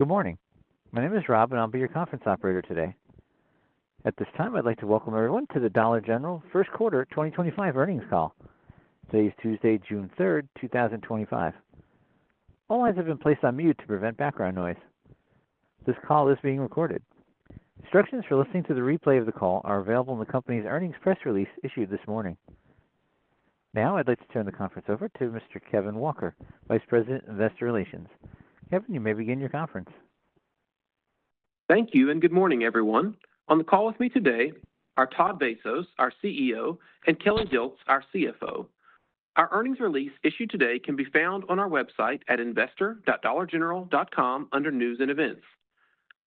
Good morning. My name is Rob, and I'll be your conference operator today. At this time, I'd like to welcome everyone to the Dollar General First Quarter 2025 earnings call. Today is Tuesday, June 3, 2025. All lines have been placed on mute to prevent background noise. This call is being recorded. Instructions for listening to the replay of the call are available in the company's earnings press release issued this morning. Now, I'd like to turn the conference over to Mr. Kevin Walker, Vice President, Investor Relations. Kevin, you may begin your conference. Thank you and good morning, everyone. On the call with me today are Todd Vasos, our CEO, and Kelly Dilts, our CFO. Our earnings release issued today can be found on our website at investor.dollargeneral.com under News and Events.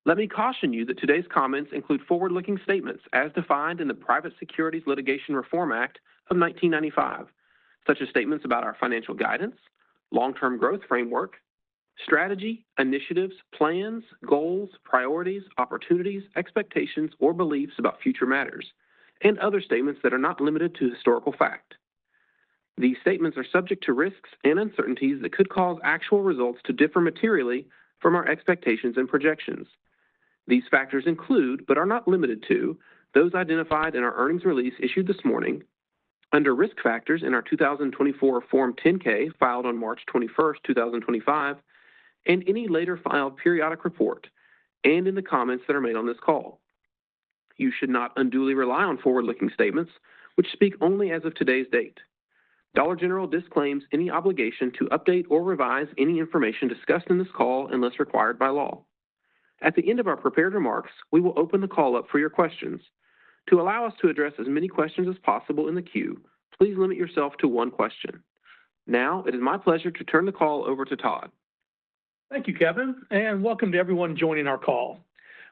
Let me caution you that today's comments include forward-looking statements as defined in the Private Securities Litigation Reform Act of 1995, such as statements about our financial guidance, long-term growth framework, strategy, initiatives, plans, goals, priorities, opportunities, expectations, or beliefs about future matters, and other statements that are not limited to historical fact. These statements are subject to risks and uncertainties that could cause actual results to differ materially from our expectations and projections. These factors include, but are not limited to, those identified in our earnings release issued this morning, under risk factors in our 2024 Form 10-K filed on March 21, 2025, and any later filed periodic report, and in the comments that are made on this call. You should not unduly rely on forward-looking statements, which speak only as of today's date. Dollar General disclaims any obligation to update or revise any information discussed in this call unless required by law. At the end of our prepared remarks, we will open the call up for your questions. To allow us to address as many questions as possible in the queue, please limit yourself to one question. Now, it is my pleasure to turn the call over to Todd. Thank you, Kevin, and welcome to everyone joining our call.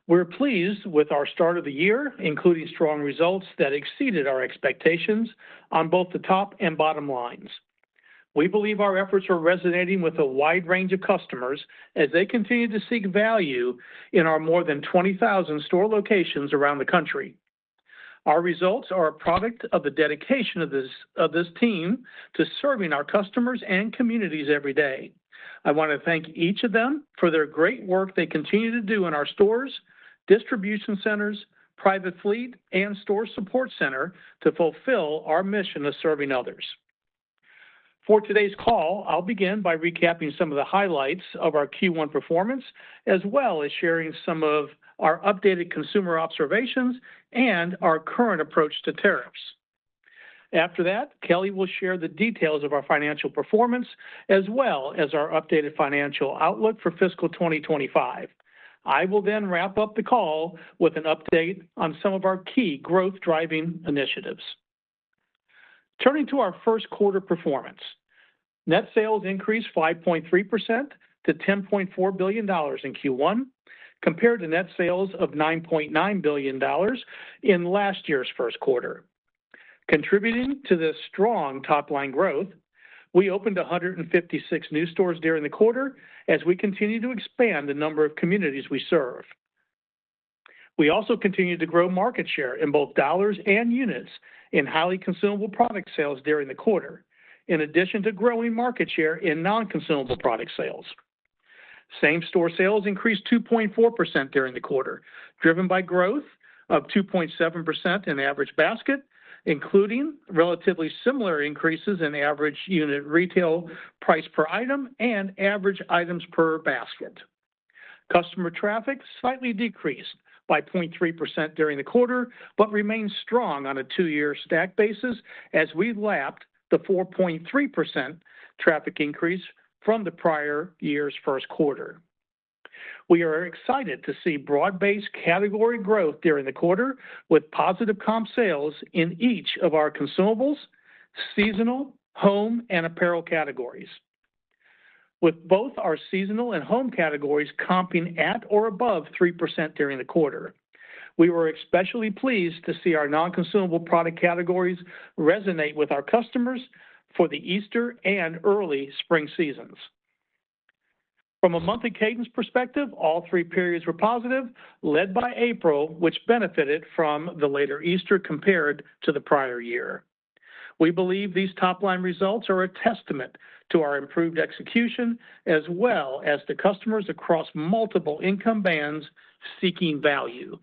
We're pleased with our start of the year, including strong results that exceeded our expectations on both the top and bottom lines. We believe our efforts are resonating with a wide range of customers as they continue to seek value in our more than 20,000 store locations around the country. Our results are a product of the dedication of this team to serving our customers and communities every day. I want to thank each of them for their great work they continue to do in our stores, distribution centers, private fleet, and store support center to fulfill our mission of serving others. For today's call, I'll begin by recapping some of the highlights of our Q1 performance, as well as sharing some of our updated consumer observations and our current approach to tariffs. After that, Kelly will share the details of our financial performance, as well as our updated financial outlook for fiscal 2025. I will then wrap up the call with an update on some of our key growth-driving initiatives. Turning to our first quarter performance, net sales increased 5.3% to $10.4 billion in Q1, compared to net sales of $9.9 billion in last year's first quarter. Contributing to this strong top-line growth, we opened 156 new stores during the quarter as we continue to expand the number of communities we serve. We also continued to grow market share in both dollars and units in highly consumable product sales during the quarter, in addition to growing market share in non-consumable product sales. Same-store sales increased 2.4% during the quarter, driven by growth of 2.7% in the average basket, including relatively similar increases in average unit retail price per item and average items per basket. Customer traffic slightly decreased by 0.3% during the quarter, but remained strong on a two-year stack basis as we lapped the 4.3% traffic increase from the prior year's first quarter. We are excited to see broad-based category growth during the quarter with positive comp sales in each of our consumables, seasonal, home, and apparel categories. With both our seasonal and home categories comping at or above 3% during the quarter, we were especially pleased to see our non-consumable product categories resonate with our customers for the Easter and early spring seasons. From a monthly cadence perspective, all three periods were positive, led by April, which benefited from the later Easter compared to the prior year. We believe these top-line results are a testament to our improved execution, as well as to customers across multiple income bands seeking value.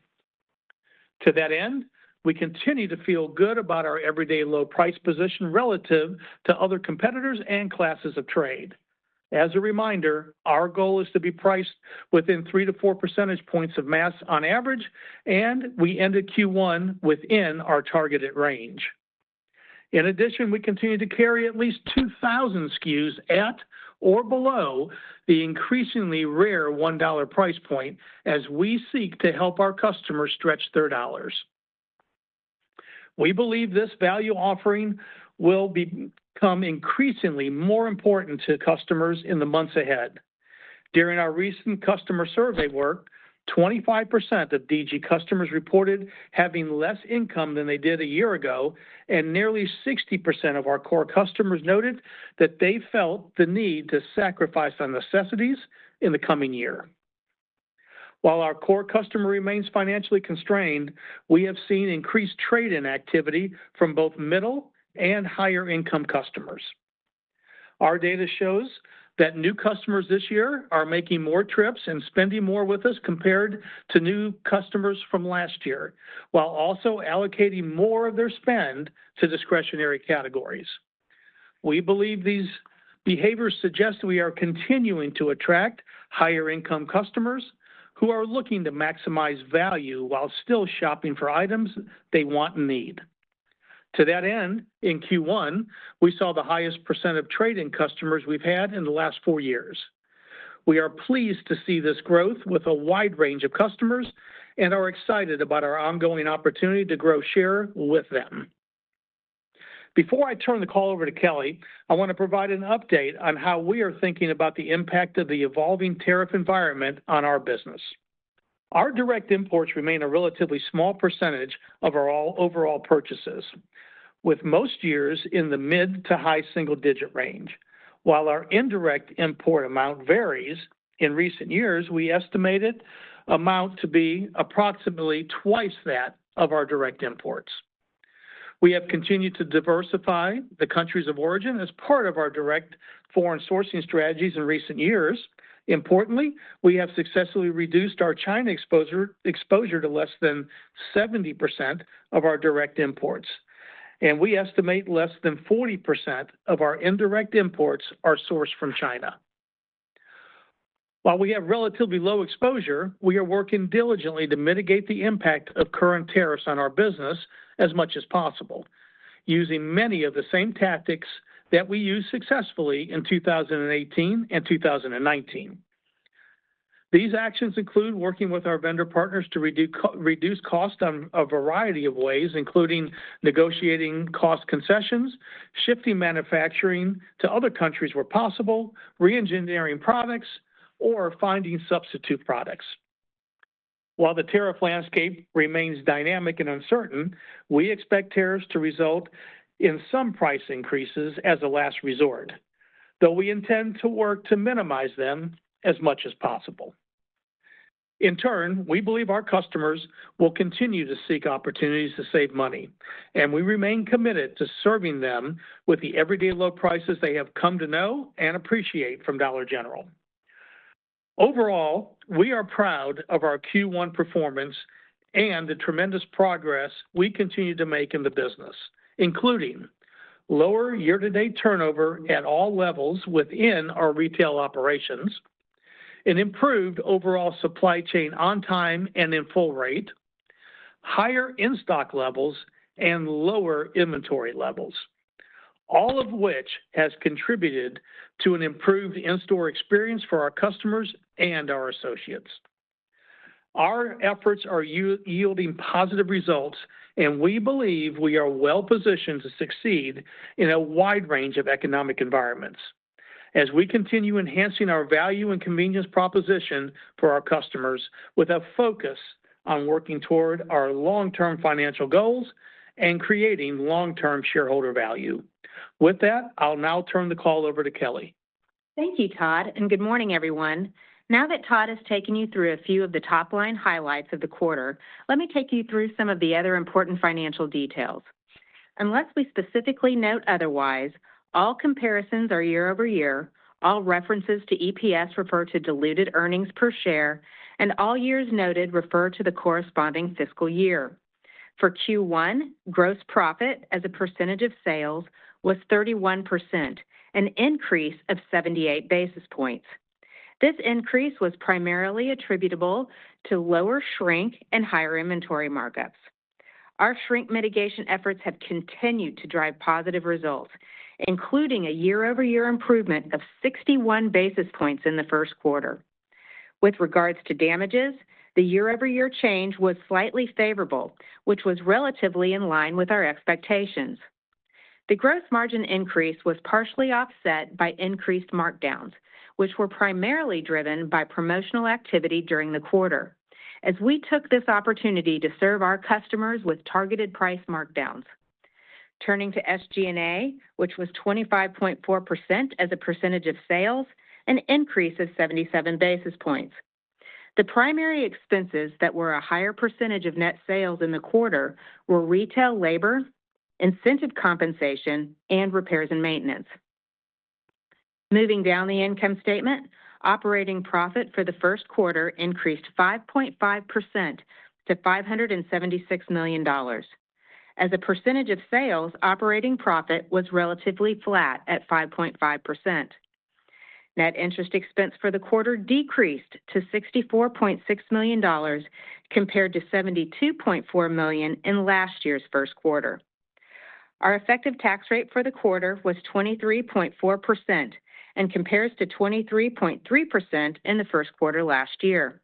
To that end, we continue to feel good about our everyday low price position relative to other competitors and classes of trade. As a reminder, our goal is to be priced within 3-4 percentage points of mass on average, and we ended Q1 within our targeted range. In addition, we continue to carry at least 2,000 SKUs at or below the increasingly rare $1 price point as we seek to help our customers stretch their dollars. We believe this value offering will become increasingly more important to customers in the months ahead. During our recent customer survey work, 25% of DG customers reported having less income than they did a year ago, and nearly 60% of our core customers noted that they felt the need to sacrifice on necessities in the coming year. While our core customer remains financially constrained, we have seen increased trade-in activity from both middle and higher-income customers. Our data shows that new customers this year are making more trips and spending more with us compared to new customers from last year, while also allocating more of their spend to discretionary categories. We believe these behaviors suggest we are continuing to attract higher-income customers who are looking to maximize value while still shopping for items they want and need. To that end, in Q1, we saw the highest percent of trade-in customers we've had in the last four years. We are pleased to see this growth with a wide range of customers and are excited about our ongoing opportunity to grow share with them. Before I turn the call over to Kelly, I want to provide an update on how we are thinking about the impact of the evolving tariff environment on our business. Our direct imports remain a relatively small percentage of our overall purchases, with most years in the mid to high single-digit range. While our indirect import amount varies, in recent years, we estimated amount to be approximately twice that of our direct imports. We have continued to diversify the countries of origin as part of our direct foreign sourcing strategies in recent years. Importantly, we have successfully reduced our China exposure to less than 70% of our direct imports, and we estimate less than 40% of our indirect imports are sourced from China. While we have relatively low exposure, we are working diligently to mitigate the impact of current tariffs on our business as much as possible, using many of the same tactics that we used successfully in 2018 and 2019. These actions include working with our vendor partners to reduce costs in a variety of ways, including negotiating cost concessions, shifting manufacturing to other countries where possible, re-engineering products, or finding substitute products. While the tariff landscape remains dynamic and uncertain, we expect tariffs to result in some price increases as a last resort, though we intend to work to minimize them as much as possible. In turn, we believe our customers will continue to seek opportunities to save money, and we remain committed to serving them with the everyday low prices they have come to know and appreciate from Dollar General. Overall, we are proud of our Q1 performance and the tremendous progress we continue to make in the business, including lower year-to-date turnover at all levels within our retail operations, an improved overall supply chain on time and in full rate, higher in-stock levels, and lower inventory levels, all of which has contributed to an improved in-store experience for our customers and our associates. Our efforts are yielding positive results, and we believe we are well-positioned to succeed in a wide range of economic environments as we continue enhancing our value and convenience proposition for our customers with a focus on working toward our long-term financial goals and creating long-term shareholder value. With that, I'll now turn the call over to Kelly. Thank you, Todd, and good morning, everyone. Now that Todd has taken you through a few of the top-line highlights of the quarter, let me take you through some of the other important financial details. Unless we specifically note otherwise, all comparisons are year-over-year, all references to EPS refer to diluted earnings per share, and all years noted refer to the corresponding fiscal year. For Q1, gross profit as a percentage of sales was 31%, an increase of 78 basis points. This increase was primarily attributable to lower shrink and higher inventory markups. Our shrink mitigation efforts have continued to drive positive results, including a year-over-year improvement of 61 basis points in the first quarter. With regards to damages, the year-over-year change was slightly favorable, which was relatively in line with our expectations. The gross margin increase was partially offset by increased markdowns, which were primarily driven by promotional activity during the quarter, as we took this opportunity to serve our customers with targeted price markdowns. Turning to SG&A, which was 25.4% as a percentage of sales, an increase of 77 basis points. The primary expenses that were a higher percentage of net sales in the quarter were retail labor, incentive compensation, and repairs and maintenance. Moving down the income statement, operating profit for the first quarter increased 5.5% to $576 million. As a percentage of sales, operating profit was relatively flat at 5.5%. Net interest expense for the quarter decreased to $64.6 million compared to $72.4 million in last year's first quarter. Our effective tax rate for the quarter was 23.4% and compares to 23.3% in the first quarter last year.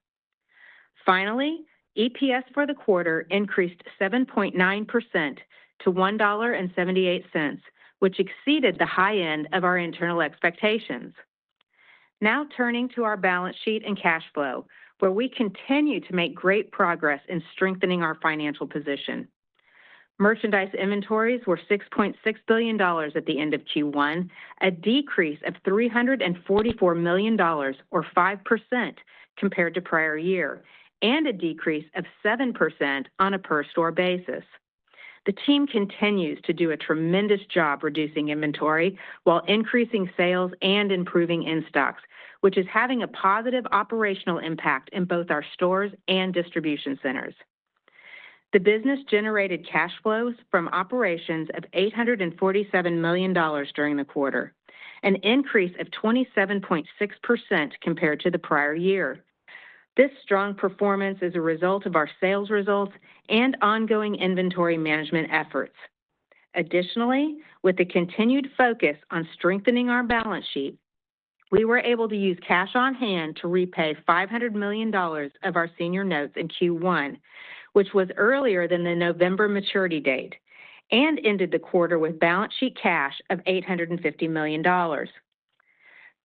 Finally, EPS for the quarter increased 7.9% to $1.78, which exceeded the high end of our internal expectations. Now turning to our balance sheet and cash flow, where we continue to make great progress in strengthening our financial position. Merchandise inventories were $6.6 billion at the end of Q1, a decrease of $344 million, or 5% compared to prior year, and a decrease of 7% on a per-store basis. The team continues to do a tremendous job reducing inventory while increasing sales and improving in-stocks, which is having a positive operational impact in both our stores and distribution centers. The business generated cash flows from operations of $847 million during the quarter, an increase of 27.6% compared to the prior year. This strong performance is a result of our sales results and ongoing inventory management efforts. Additionally, with the continued focus on strengthening our balance sheet, we were able to use cash on hand to repay $500 million of our senior notes in Q1, which was earlier than the November maturity date, and ended the quarter with balance sheet cash of $850 million.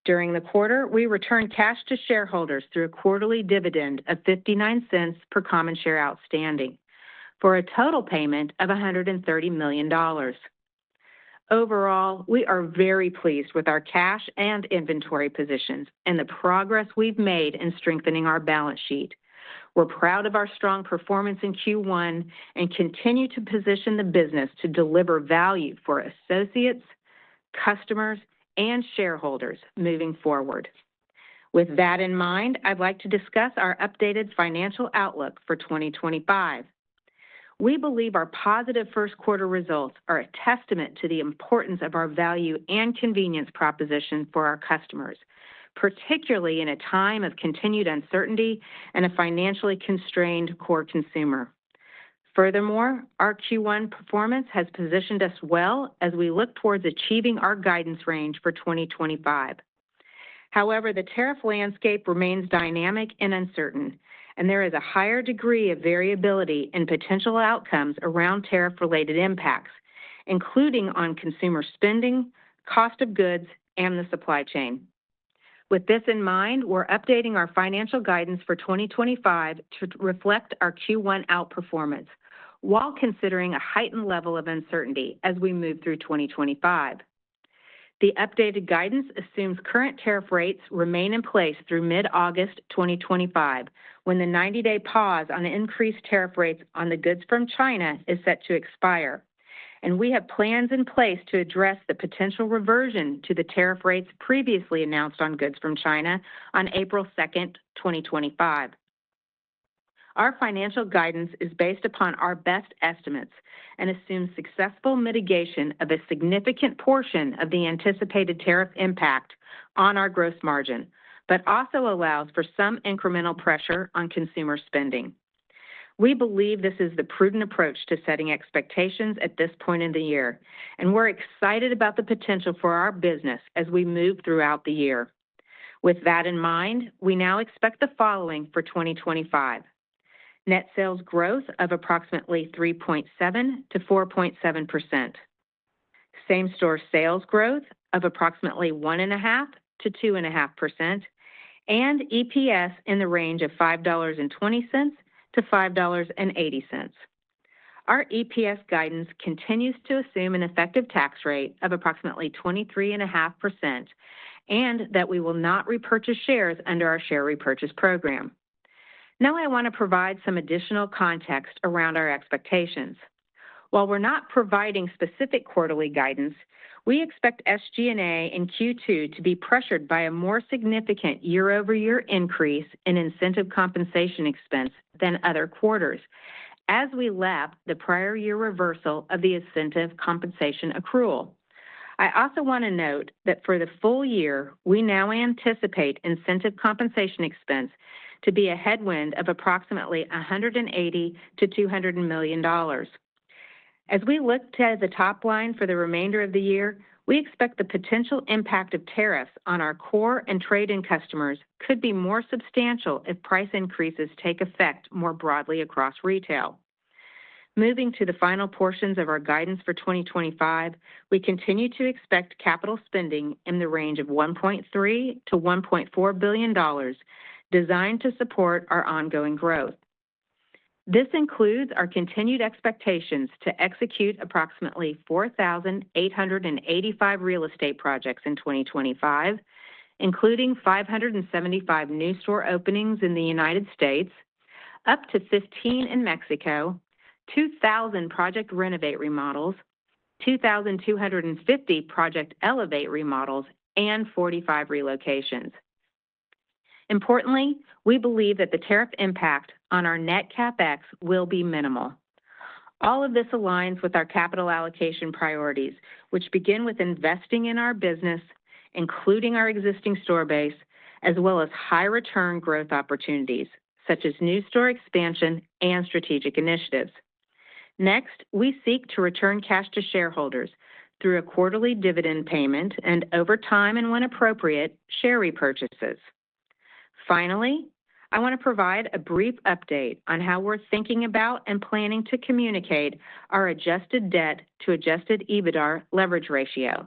During the quarter, we returned cash to shareholders through a quarterly dividend of $0.59 per common share outstanding for a total payment of $130 million. Overall, we are very pleased with our cash and inventory positions and the progress we've made in strengthening our balance sheet. We're proud of our strong performance in Q1 and continue to position the business to deliver value for associates, customers, and shareholders moving forward. With that in mind, I'd like to discuss our updated financial outlook for 2025. We believe our positive first quarter results are a testament to the importance of our value and convenience proposition for our customers, particularly in a time of continued uncertainty and a financially constrained core consumer. Furthermore, our Q1 performance has positioned us well as we look towards achieving our guidance range for 2025. However, the tariff landscape remains dynamic and uncertain, and there is a higher degree of variability in potential outcomes around tariff-related impacts, including on consumer spending, cost of goods, and the supply chain. With this in mind, we're updating our financial guidance for 2025 to reflect our Q1 outperformance while considering a heightened level of uncertainty as we move through 2025. The updated guidance assumes current tariff rates remain in place through mid-August 2025, when the 90-day pause on increased tariff rates on the goods from China is set to expire, and we have plans in place to address the potential reversion to the tariff rates previously announced on goods from China on April 2nd, 2025. Our financial guidance is based upon our best estimates and assumes successful mitigation of a significant portion of the anticipated tariff impact on our gross margin, but also allows for some incremental pressure on consumer spending. We believe this is the prudent approach to setting expectations at this point in the year, and we're excited about the potential for our business as we move throughout the year. With that in mind, we now expect the following for 2025. Net sales growth of approximately 3.7%-4.7%, same-store sales growth of approximately 1.5%-2.5%, and EPS in the range of $5.20-$5.80. Our EPS guidance continues to assume an effective tax rate of approximately 23.5% and that we will not repurchase shares under our share repurchase program. Now I want to provide some additional context around our expectations. While we're not providing specific quarterly guidance, we expect SG&A in Q2 to be pressured by a more significant year-over-year increase in incentive compensation expense than other quarters, as we lap the prior year reversal of the incentive compensation accrual. I also want to note that for the full year, we now anticipate incentive compensation expense to be a headwind of approximately $180 million-$200 million. As we look to the top line for the remainder of the year, we expect the potential impact of tariffs on our core and trade-in customers could be more substantial if price increases take effect more broadly across retail. Moving to the final portions of our guidance for 2025, we continue to expect capital spending in the range of $1.3 billion-$1.4 billion, designed to support our ongoing growth. This includes our continued expectations to execute approximately 4,885 real estate projects in 2025, including 575 new store openings in the U.S., up to 15 in Mexico, 2,000 project renovate remodels, 2,250 project elevate remodels, and 45 relocations. Importantly, we believe that the tariff impact on our net CapEx will be minimal. All of this aligns with our capital allocation priorities, which begin with investing in our business, including our existing store base, as well as high-return growth opportunities such as new store expansion and strategic initiatives. Next, we seek to return cash to shareholders through a quarterly dividend payment and, over time and when appropriate, share repurchases. Finally, I want to provide a brief update on how we're thinking about and planning to communicate our adjusted debt to adjusted EBITDA leverage ratio.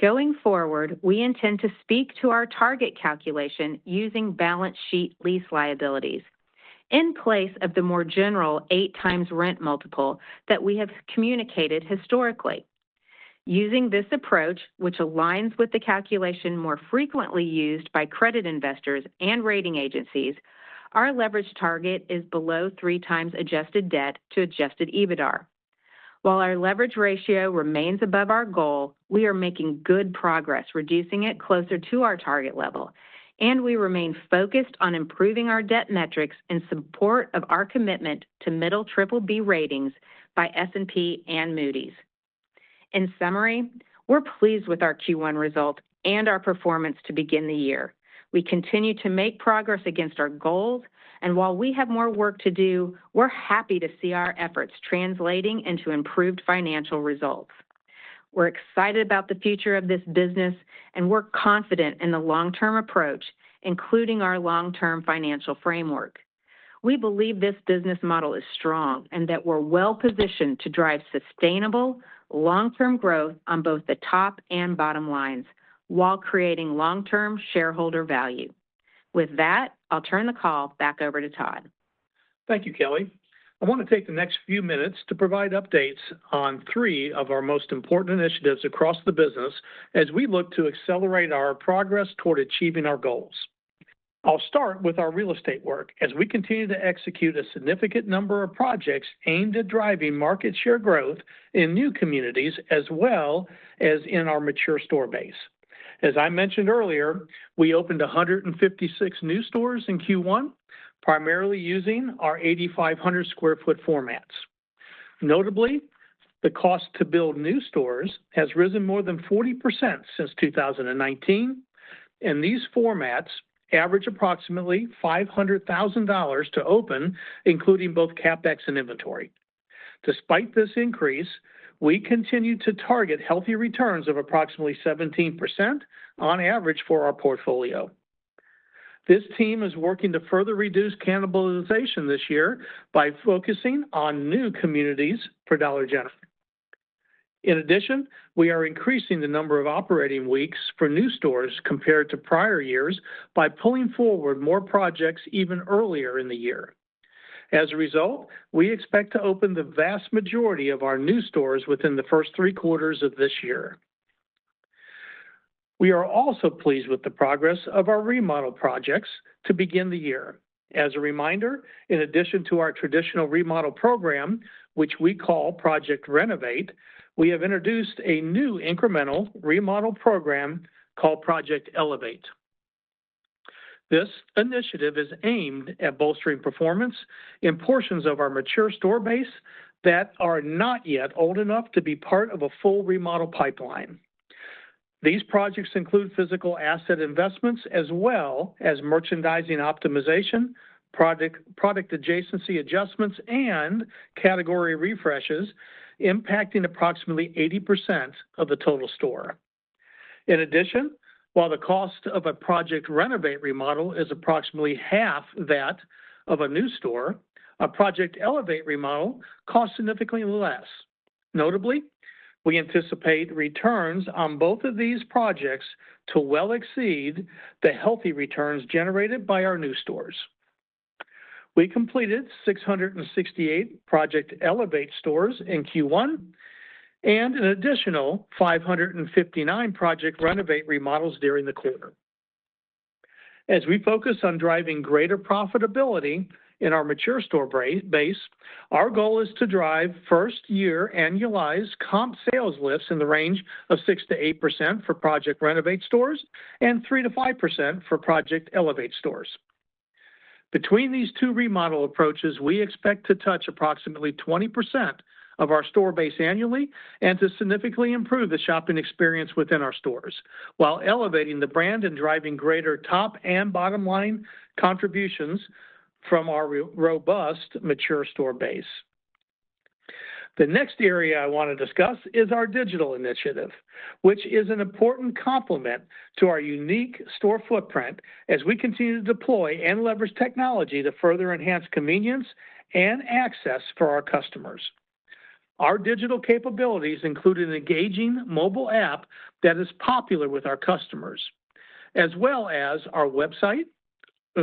Going forward, we intend to speak to our target calculation using balance sheet lease liabilities in place of the more general eight-times rent multiple that we have communicated historically. Using this approach, which aligns with the calculation more frequently used by credit investors and rating agencies, our leverage target is below three times adjusted debt to adjusted EBITDA. While our leverage ratio remains above our goal, we are making good progress, reducing it closer to our target level, and we remain focused on improving our debt metrics in support of our commitment to middle triple B ratings by S&P and Moody's. In summary, we're pleased with our Q1 result and our performance to begin the year. We continue to make progress against our goals, and while we have more work to do, we're happy to see our efforts translating into improved financial results. We're excited about the future of this business, and we're confident in the long-term approach, including our long-term financial framework. We believe this business model is strong and that we're well-positioned to drive sustainable long-term growth on both the top and bottom lines while creating long-term shareholder value. With that, I'll turn the call back over to Todd. Thank you, Kelly. I want to take the next few minutes to provide updates on three of our most important initiatives across the business as we look to accelerate our progress toward achieving our goals. I'll start with our real estate work as we continue to execute a significant number of projects aimed at driving market share growth in new communities as well as in our mature store base. As I mentioned earlier, we opened 156 new stores in Q1, primarily using our 8,500 sq ft formats. Notably, the cost to build new stores has risen more than 40% since 2019, and these formats average approximately $500,000 to open, including both CapEx and inventory. Despite this increase, we continue to target healthy returns of approximately 17% on average for our portfolio. This team is working to further reduce cannibalization this year by focusing on new communities for Dollar General. In addition, we are increasing the number of operating weeks for new stores compared to prior years by pulling forward more projects even earlier in the year. As a result, we expect to open the vast majority of our new stores within the first three quarters of this year. We are also pleased with the progress of our remodel projects to begin the year. As a reminder, in addition to our traditional remodel program, which we call Project Renovate, we have introduced a new incremental remodel program called Project Elevate. This initiative is aimed at bolstering performance in portions of our mature store base that are not yet old enough to be part of a full remodel pipeline. These projects include physical asset investments, as well as merchandising optimization, product adjacency adjustments, and category refreshes impacting approximately 80% of the total store. In addition, while the cost of a Project Renovate remodel is approximately half that of a new store, a Project Elevate remodel costs significantly less. Notably, we anticipate returns on both of these projects to well exceed the healthy returns generated by our new stores. We completed 668 Project Elevate stores in Q1 and an additional 559 Project Renovate remodels during the quarter. As we focus on driving greater profitability in our mature store base, our goal is to drive first-year annualized comp sales lifts in the range of 6%-8% for Project Renovate stores and 3%-5% for Project Elevate stores. Between these two remodel approaches, we expect to touch approximately 20% of our store base annually and to significantly improve the shopping experience within our stores while elevating the brand and driving greater top and bottom line contributions from our robust mature store base. The next area I want to discuss is our digital initiative, which is an important complement to our unique store footprint as we continue to deploy and leverage technology to further enhance convenience and access for our customers. Our digital capabilities include an engaging mobile app that is popular with our customers, as well as our website,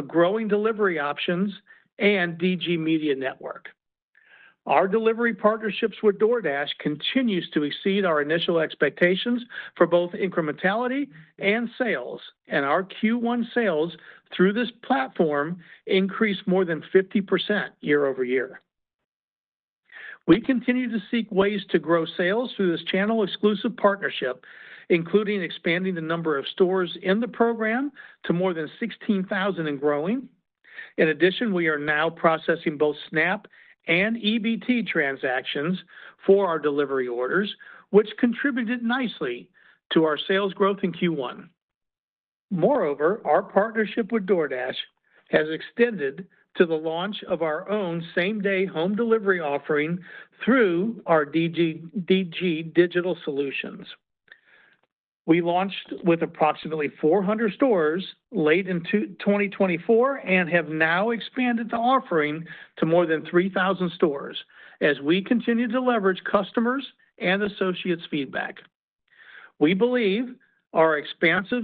growing delivery options, and DG Media Network. Our delivery partnerships with DoorDash continue to exceed our initial expectations for both incrementality and sales, and our Q1 sales through this platform increased more than 50% year over year. We continue to seek ways to grow sales through this channel exclusive partnership, including expanding the number of stores in the program to more than 16,000 and growing. In addition, we are now processing both SNAP and EBT transactions for our delivery orders, which contributed nicely to our sales growth in Q1. Moreover, our partnership with DoorDash has extended to the launch of our own same-day home delivery offering through our DG Digital Solutions. We launched with approximately 400 stores late in 2024 and have now expanded the offering to more than 3,000 stores as we continue to leverage customers' and associates' feedback. We believe our expansive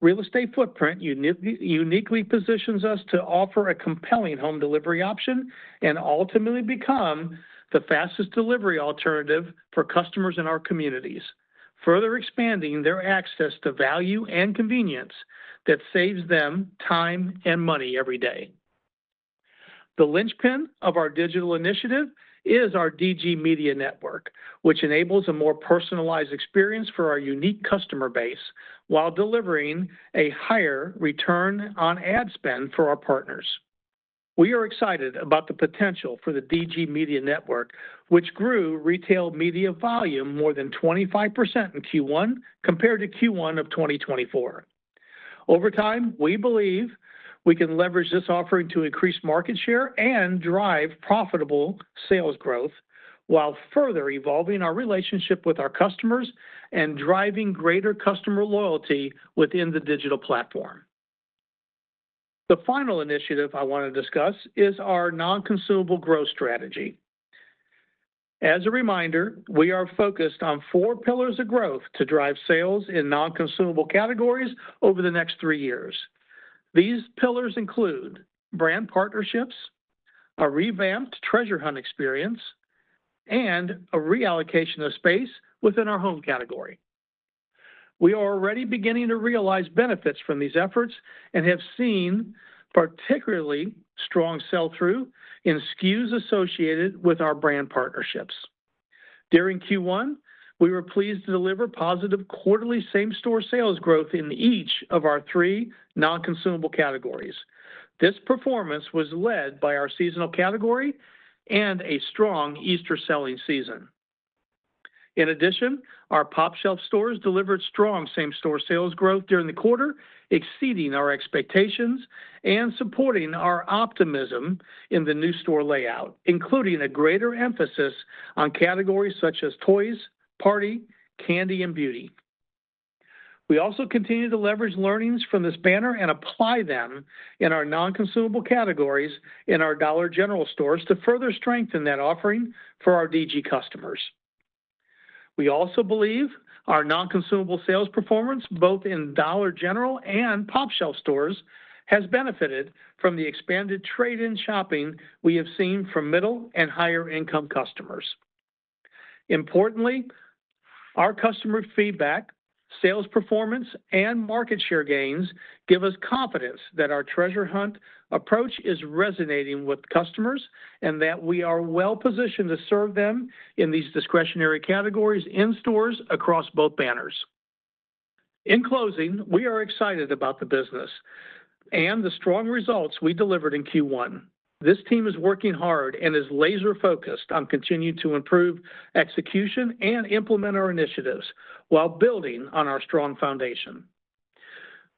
real estate footprint uniquely positions us to offer a compelling home delivery option and ultimately become the fastest delivery alternative for customers in our communities, further expanding their access to value and convenience that saves them time and money every day. The linchpin of our digital initiative is our DG Media Network, which enables a more personalized experience for our unique customer base while delivering a higher return on ad spend for our partners. We are excited about the potential for the DG Media Network, which grew retail media volume more than 25% in Q1 compared to Q1 of 2024. Over time, we believe we can leverage this offering to increase market share and drive profitable sales growth while further evolving our relationship with our customers and driving greater customer loyalty within the digital platform. The final initiative I want to discuss is our non-consumable growth strategy. As a reminder, we are focused on four pillars of growth to drive sales in non-consumable categories over the next three years. These pillars include brand partnerships, a revamped treasure hunt experience, and a reallocation of space within our home category. We are already beginning to realize benefits from these efforts and have seen particularly strong sell-through in SKUs associated with our brand partnerships. During Q1, we were pleased to deliver positive quarterly same-store sales growth in each of our three non-consumable categories. This performance was led by our seasonal category and a strong Easter selling season. In addition, our pOpshelf stores delivered strong same-store sales growth during the quarter, exceeding our expectations and supporting our optimism in the new store layout, including a greater emphasis on categories such as toys, party, candy, and beauty. We also continue to leverage learnings from this banner and apply them in our non-consumable categories in our Dollar General stores to further strengthen that offering for our DG customers. We also believe our non-consumable sales performance both in Dollar General and pOpshelf stores has benefited from the expanded trade-in shopping we have seen from middle and higher-income customers. Importantly, our customer feedback, sales performance, and market share gains give us confidence that our treasure hunt approach is resonating with customers and that we are well-positioned to serve them in these discretionary categories in stores across both banners. In closing, we are excited about the business and the strong results we delivered in Q1. This team is working hard and is laser-focused on continuing to improve execution and implement our initiatives while building on our strong foundation.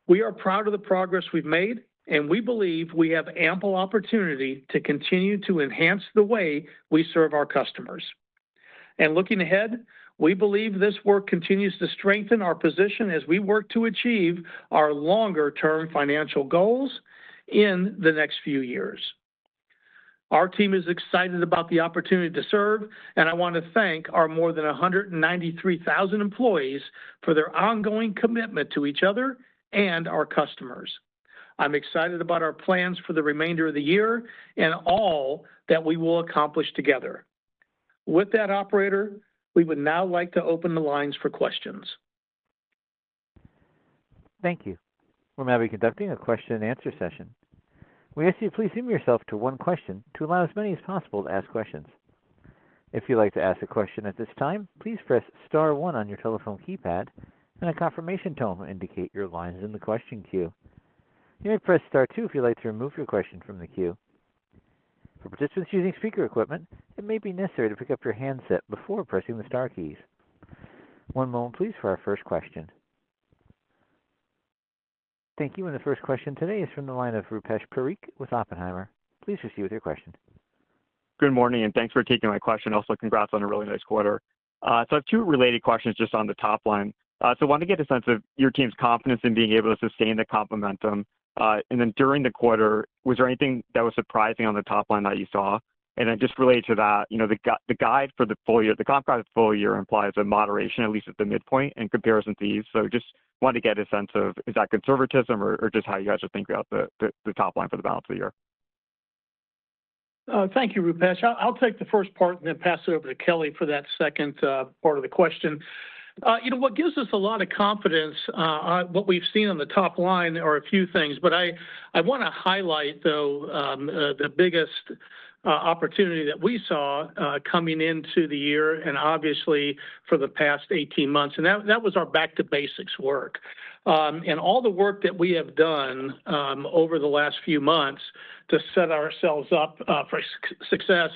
We are proud of the progress we've made, and we believe we have ample opportunity to continue to enhance the way we serve our customers. Looking ahead, we believe this work continues to strengthen our position as we work to achieve our longer-term financial goals in the next few years. Our team is excited about the opportunity to serve, and I want to thank our more than 193,000 employees for their ongoing commitment to each other and our customers. I'm excited about our plans for the remainder of the year and all that we will accomplish together. With that, Operator, we would now like to open the lines for questions. Thank you. We're now be conducting a question-and-answer session. We ask that you please limit yourself to one question to allow as many as possible to ask questions. If you'd like to ask a question at this time, please press Star 1 on your telephone keypad and a confirmation tone will indicate your line is in the question queue. You may press Star 2 if you'd like to remove your question from the queue. For participants using speaker equipment, it may be necessary to pick up your handset before pressing the Star keys. One moment, please, for our first question. Thank you. The first question today is from the line of Rupesh Parikh with Oppenheimer. Please proceed with your question. Good morning, and thanks for taking my question. Also, congrats on a really nice quarter. I have two related questions just on the top line. I want to get a sense of your team's confidence in being able to sustain the comp momentum. During the quarter, was there anything that was surprising on the top line that you saw? Just related to that, the guide for the full year, the comp guide for the full year implies a moderation, at least at the midpoint, in comparison to these. I just wanted to get a sense of, is that conservatism or just how you guys are thinking about the top line for the balance of the year? Thank you, Rupesh. I'll take the first part and then pass it over to Kelly for that second part of the question. What gives us a lot of confidence, what we've seen on the top line, are a few things. I want to highlight, though, the biggest opportunity that we saw coming into the year and obviously for the past 18 months. That was our back-to-basics work. All the work that we have done over the last few months to set ourselves up for success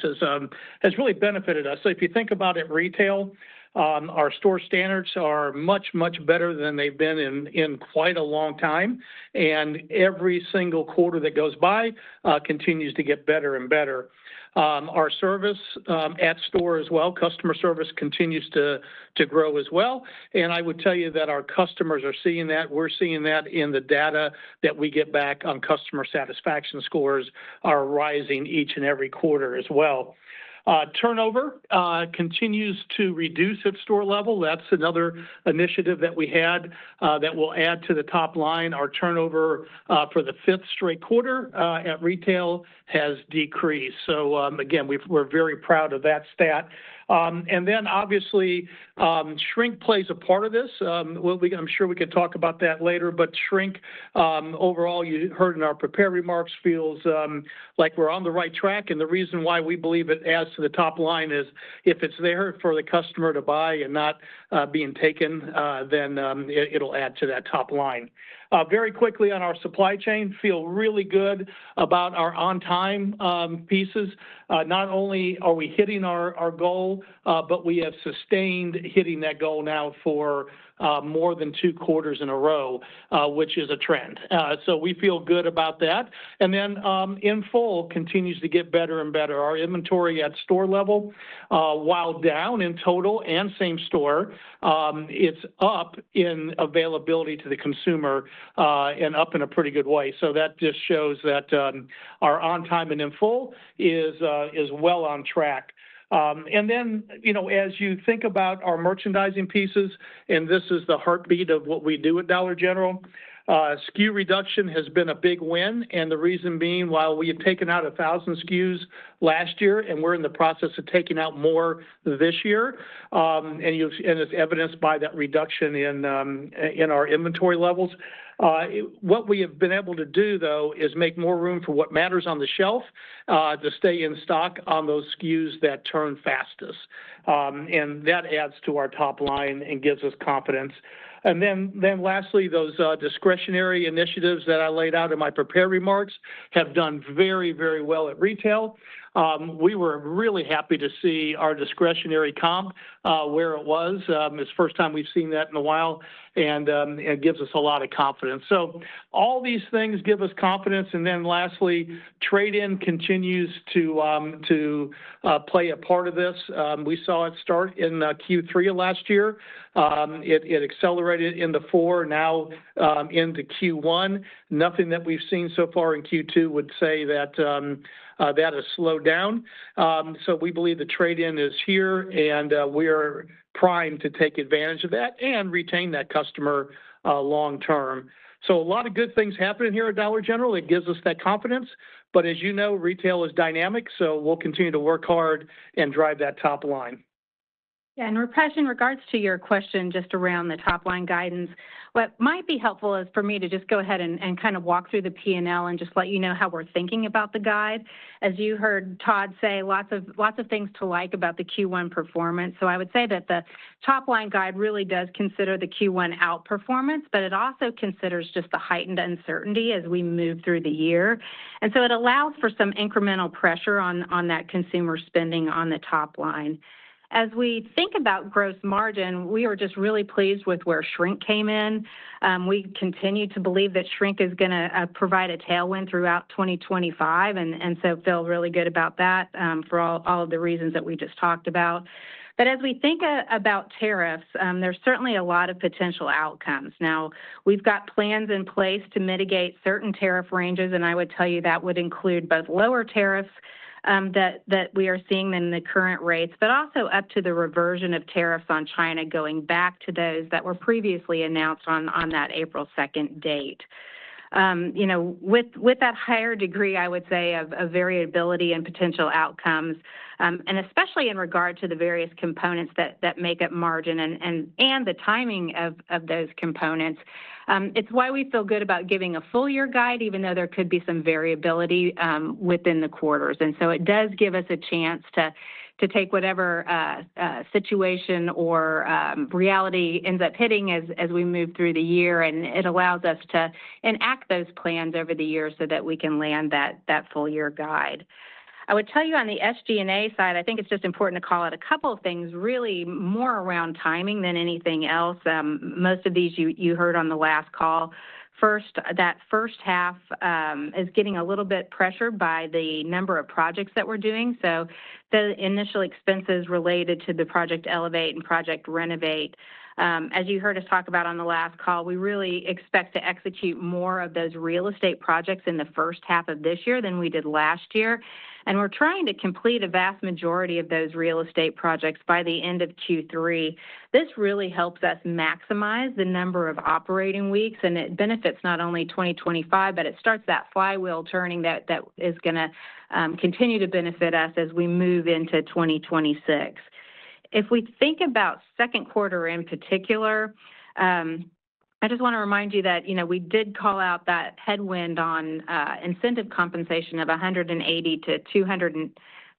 has really benefited us. If you think about it, retail, our store standards are much, much better than they've been in quite a long time. Every single quarter that goes by continues to get better and better. Our service at store as well, customer service continues to grow as well. I would tell you that our customers are seeing that. We're seeing that in the data that we get back on customer satisfaction scores are rising each and every quarter as well. Turnover continues to reduce at store level. That's another initiative that we had that will add to the top line. Our turnover for the fifth straight quarter at retail has decreased. We are very proud of that stat. Obviously, shrink plays a part of this. I'm sure we can talk about that later. Shrink, overall, you heard in our prepared remarks, feels like we're on the right track. The reason why we believe it adds to the top line is if it's there for the customer to buy and not being taken, then it'll add to that top line. Very quickly on our supply chain, feel really good about our on-time pieces. Not only are we hitting our goal, but we have sustained hitting that goal now for more than two quarters in a row, which is a trend. We feel good about that. In full continues to get better and better. Our inventory at store level, while down in total and same store, is up in availability to the consumer and up in a pretty good way. That just shows that our on-time and in full is well on track. As you think about our merchandising pieces, and this is the heartbeat of what we do at Dollar General, SKU reduction has been a big win. The reason being, while we have taken out 1,000 SKUs last year and we are in the process of taking out more this year, it is evidenced by that reduction in our inventory levels. What we have been able to do, though, is make more room for what matters on the shelf to stay in stock on those SKUs that turn fastest. That adds to our top line and gives us confidence. Lastly, those discretionary initiatives that I laid out in my prepared remarks have done very, very well at retail. We were really happy to see our discretionary comp where it was. It is the first time we have seen that in a while. It gives us a lot of confidence. All these things give us confidence. Lastly, trade-in continues to play a part of this. We saw it start in Q3 of last year. It accelerated in the Q4, now into Q1. Nothing that we have seen so far in Q2 would say that that has slowed down. We believe the trade-in is here, and we are primed to take advantage of that and retain that customer long-term. A lot of good things happening here at Dollar General. It gives us that confidence. As you know, retail is dynamic, so we'll continue to work hard and drive that top line. Yeah. Rupesh, in regards to your question just around the top line guidance, what might be helpful is for me to just go ahead and kind of walk through the P&L and just let you know how we're thinking about the guide. As you heard Todd say, lots of things to like about the Q1 performance. I would say that the top line guide really does consider the Q1 outperformance, but it also considers just the heightened uncertainty as we move through the year. It allows for some incremental pressure on that consumer spending on the top line. As we think about gross margin, we are just really pleased with where shrink came in. We continue to believe that shrink is going to provide a tailwind throughout 2025. I feel really good about that for all of the reasons that we just talked about. As we think about tariffs, there's certainly a lot of potential outcomes. Now, we've got plans in place to mitigate certain tariff ranges. I would tell you that would include both lower tariffs that we are seeing in the current rates, but also up to the reversion of tariffs on China going back to those that were previously announced on that April 2nd date. With that higher degree, I would say, of variability and potential outcomes, and especially in regard to the various components that make up margin and the timing of those components, it's why we feel good about giving a full year guide, even though there could be some variability within the quarters. It does give us a chance to take whatever situation or reality ends up hitting as we move through the year. It allows us to enact those plans over the year so that we can land that full year guide. I would tell you on the SG&A side, I think it's just important to call out a couple of things, really more around timing than anything else. Most of these you heard on the last call. First, that first half is getting a little bit pressured by the number of projects that we're doing. The initial expenses related to the Project Elevate and Project Renovate, as you heard us talk about on the last call, we really expect to execute more of those real estate projects in the first half of this year than we did last year. We're trying to complete a vast majority of those real estate projects by the end of Q3. This really helps us maximize the number of operating weeks. It benefits not only 2025, but it starts that flywheel turning that is going to continue to benefit us as we move into 2026. If we think about second quarter in particular, I just want to remind you that we did call out that headwind on incentive compensation of $180 million-$200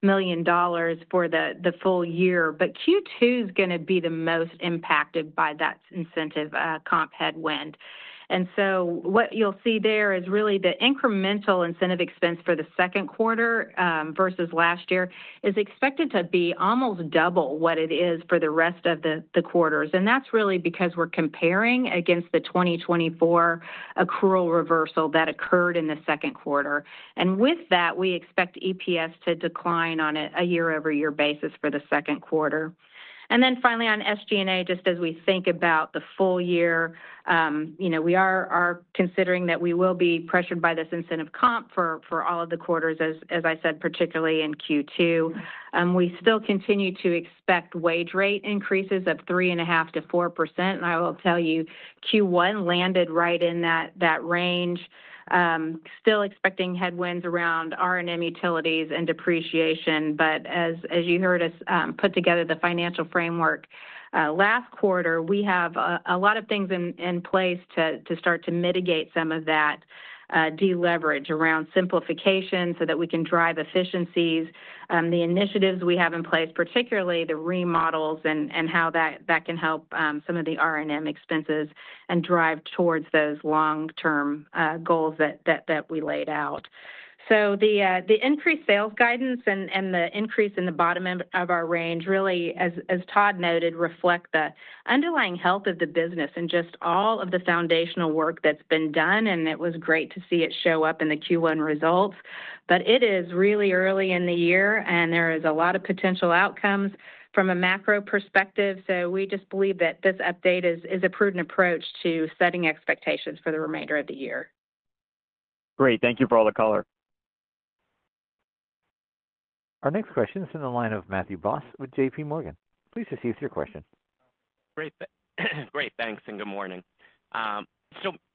million for the full year. Q2 is going to be the most impacted by that incentive comp headwind. What you will see there is really the incremental incentive expense for the second quarter versus last year is expected to be almost double what it is for the rest of the quarters. That is really because we are comparing against the 2024 accrual reversal that occurred in the second quarter. With that, we expect EPS to decline on a year-over-year basis for the second quarter. Finally, on SG&A, just as we think about the full year, we are considering that we will be pressured by this incentive comp for all of the quarters, as I said, particularly in Q2. We still continue to expect wage rate increases of 3.5%-4%. I will tell you, Q1 landed right in that range, still expecting headwinds around R&M, utilities, and depreciation. As you heard us put together the financial framework last quarter, we have a lot of things in place to start to mitigate some of that deleverage around simplification so that we can drive efficiencies. The initiatives we have in place, particularly the remodels and how that can help some of the R&M expenses and drive towards those long-term goals that we laid out. The increased sales guidance and the increase in the bottom end of our range really, as Todd noted, reflect the underlying health of the business and just all of the foundational work that's been done. It was great to see it show up in the Q1 results. It is really early in the year, and there is a lot of potential outcomes from a macro perspective. We just believe that this update is a prudent approach to setting expectations for the remainder of the year. Great. Thank you for all the color. Our next question is in the line of Matthew Boss with JPMorgan. Please proceed with your question. Great. Thanks. Good morning.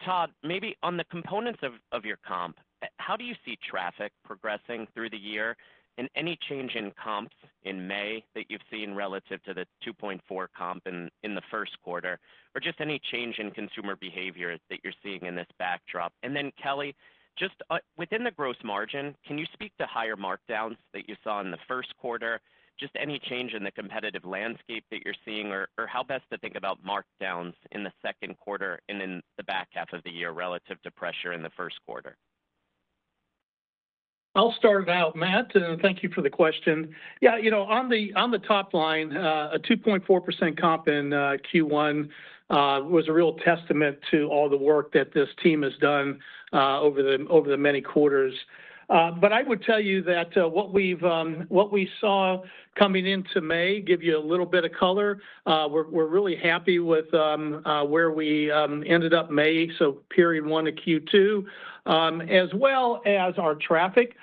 Todd, maybe on the components of your comp, how do you see traffic progressing through the year and any change in comps in May that you've seen relative to the 2.4% comp in the first quarter, or just any change in consumer behavior that you're seeing in this backdrop? Kelly, just within the gross margin, can you speak to higher markdowns that you saw in the first quarter, just any change in the competitive landscape that you're seeing, or how best to think about markdowns in the second quarter and in the back half of the year relative to pressure in the first quarter? I'll start it out, Matt, and thank you for the question. Yeah. On the top line, a 2.4% comp in Q1 was a real testament to all the work that this team has done over the many quarters. I would tell you that what we saw coming into May, give you a little bit of color, we're really happy with where we ended up May, so period one to Q2, as well as our traffic.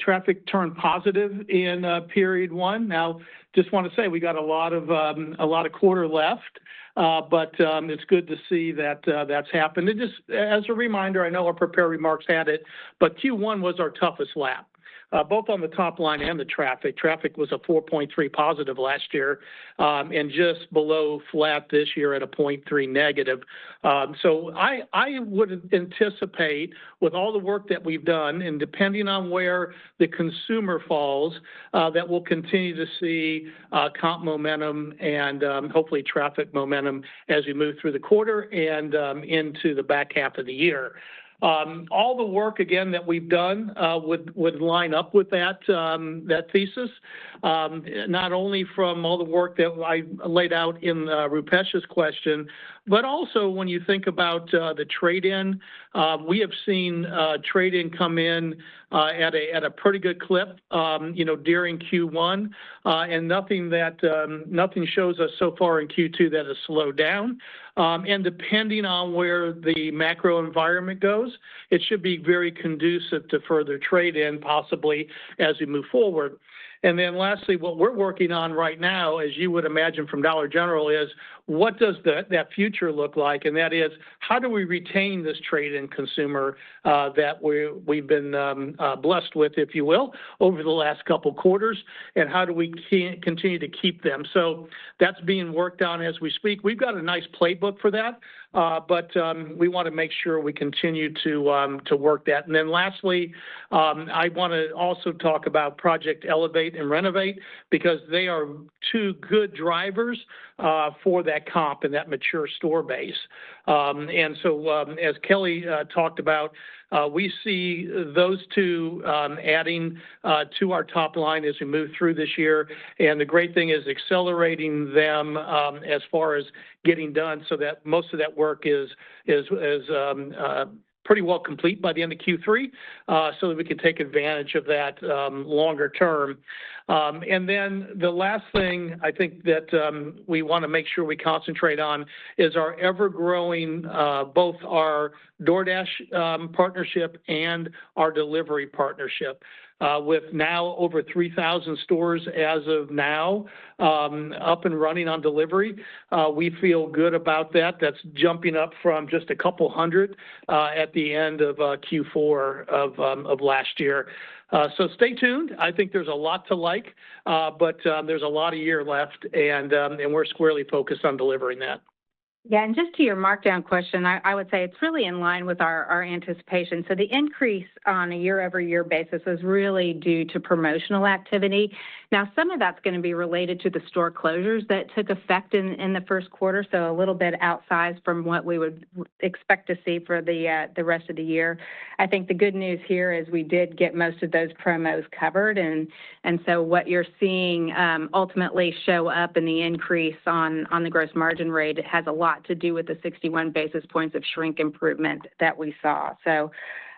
Traffic turned positive in period one. Now, just want to say we got a lot of quarter left, but it's good to see that that's happened. Just as a reminder, I know our prepared remarks had it, but Q1 was our toughest lap, both on the top line and the traffic. Traffic was a 4.3% positive last year and just below flat this year at a 0.3% negative. I would anticipate, with all the work that we've done and depending on where the consumer falls, that we'll continue to see comp momentum and hopefully traffic momentum as we move through the quarter and into the back half of the year. All the work, again, that we've done would line up with that thesis, not only from all the work that I laid out in Rupesh's question, but also when you think about the trade-in, we have seen trade-in come in at a pretty good clip during Q1. Nothing shows us so far in Q2 that has slowed down. Depending on where the macro environment goes, it should be very conducive to further trade-in, possibly as we move forward. Lastly, what we're working on right now, as you would imagine from Dollar General, is what does that future look like? That is, how do we retain this trade-in consumer that we've been blessed with, if you will, over the last couple of quarters, and how do we continue to keep them? That is being worked on as we speak. We've got a nice playbook for that, but we want to make sure we continue to work that. Lastly, I want to also talk about Project Elevate and Renovate because they are two good drivers for that comp and that mature store base. As Kelly talked about, we see those two adding to our top line as we move through this year. The great thing is accelerating them as far as getting done so that most of that work is pretty well complete by the end of Q3 so that we can take advantage of that longer term. The last thing I think that we want to make sure we concentrate on is our ever-growing, both our DoorDash partnership and our delivery partnership. With now over 3,000 stores as of now up and running on delivery, we feel good about that. That is jumping up from just a couple hundred at the end of Q4 of last year. Stay tuned. I think there is a lot to like, but there is a lot of year left, and we are squarely focused on delivering that. Yeah. Just to your markdown question, I would say it's really in line with our anticipation. The increase on a year-over-year basis was really due to promotional activity. Now, some of that's going to be related to the store closures that took effect in the first quarter, so a little bit outsized from what we would expect to see for the rest of the year. I think the good news here is we did get most of those promos covered. What you're seeing ultimately show up in the increase on the gross margin rate has a lot to do with the 61 basis points of shrink improvement that we saw.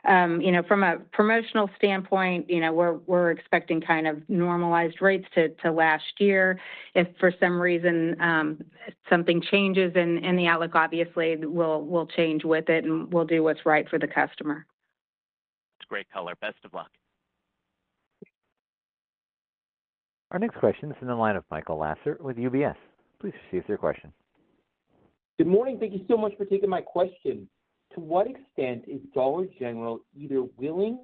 From a promotional standpoint, we're expecting kind of normalized rates to last year. If for some reason something changes in the outlook, obviously we'll change with it and we'll do what's right for the customer. That's great color. Best of luck. Our next question is in the line of Michael Lasser with UBS. Please proceed with your question. Good morning. Thank you so much for taking my question. To what extent is Dollar General either willing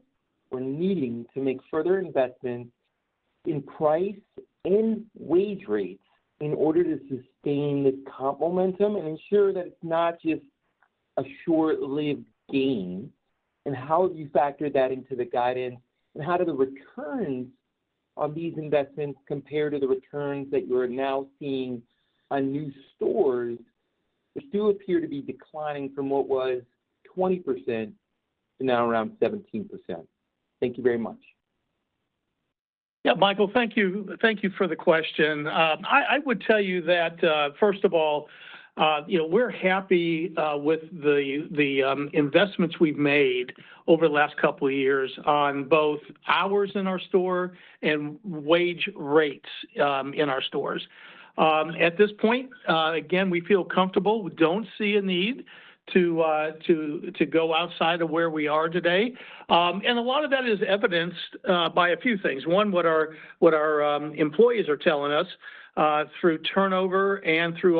or needing to make further investments in price and wage rates in order to sustain this comp momentum and ensure that it's not just a short-lived gain? How have you factored that into the guidance? How do the returns on these investments compare to the returns that you're now seeing on new stores which do appear to be declining from what was 20% to now around 17%? Thank you very much. Yeah, Michael, thank you for the question. I would tell you that, first of all, we're happy with the investments we've made over the last couple of years on both hours in our store and wage rates in our stores. At this point, again, we feel comfortable. We do not see a need to go outside of where we are today. A lot of that is evidenced by a few things. One, what our employees are telling us through turnover and through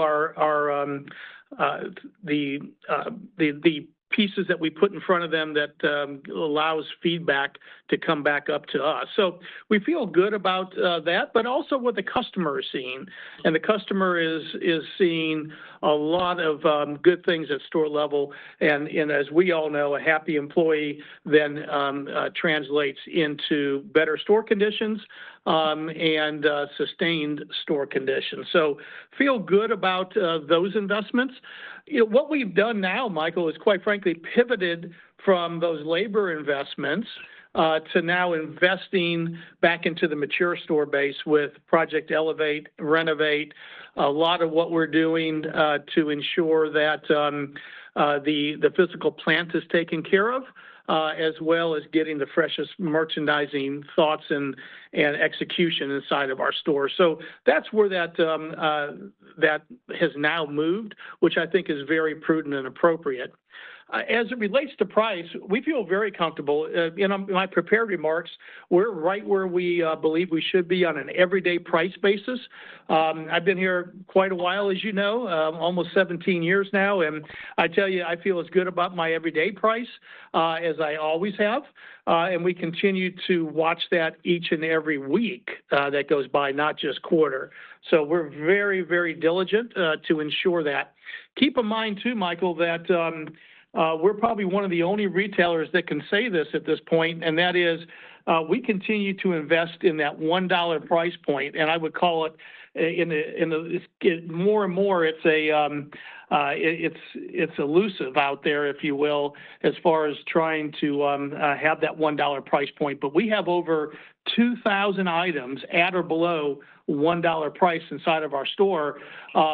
the pieces that we put in front of them that allows feedback to come back up to us. We feel good about that, but also what the customer is seeing. The customer is seeing a lot of good things at store level. As we all know, a happy employee then translates into better store conditions and sustained store conditions. We feel good about those investments. What we've done now, Michael, is quite frankly pivoted from those labor investments to now investing back into the mature store base with Project Elevate, Renovate, a lot of what we're doing to ensure that the physical plant is taken care of, as well as getting the freshest merchandising thoughts and execution inside of our store. That's where that has now moved, which I think is very prudent and appropriate. As it relates to price, we feel very comfortable. In my prepared remarks, we're right where we believe we should be on an everyday price basis. I've been here quite a while, as you know, almost 17 years now. I tell you, I feel as good about my everyday price as I always have. We continue to watch that each and every week that goes by, not just quarter. We're very, very diligent to ensure that. Keep in mind too, Michael, that we're probably one of the only retailers that can say this at this point, and that is we continue to invest in that $1 price point. I would call it, the more and more, it's elusive out there, if you will, as far as trying to have that $1 price point. We have over 2,000 items at or below $1 price inside of our store,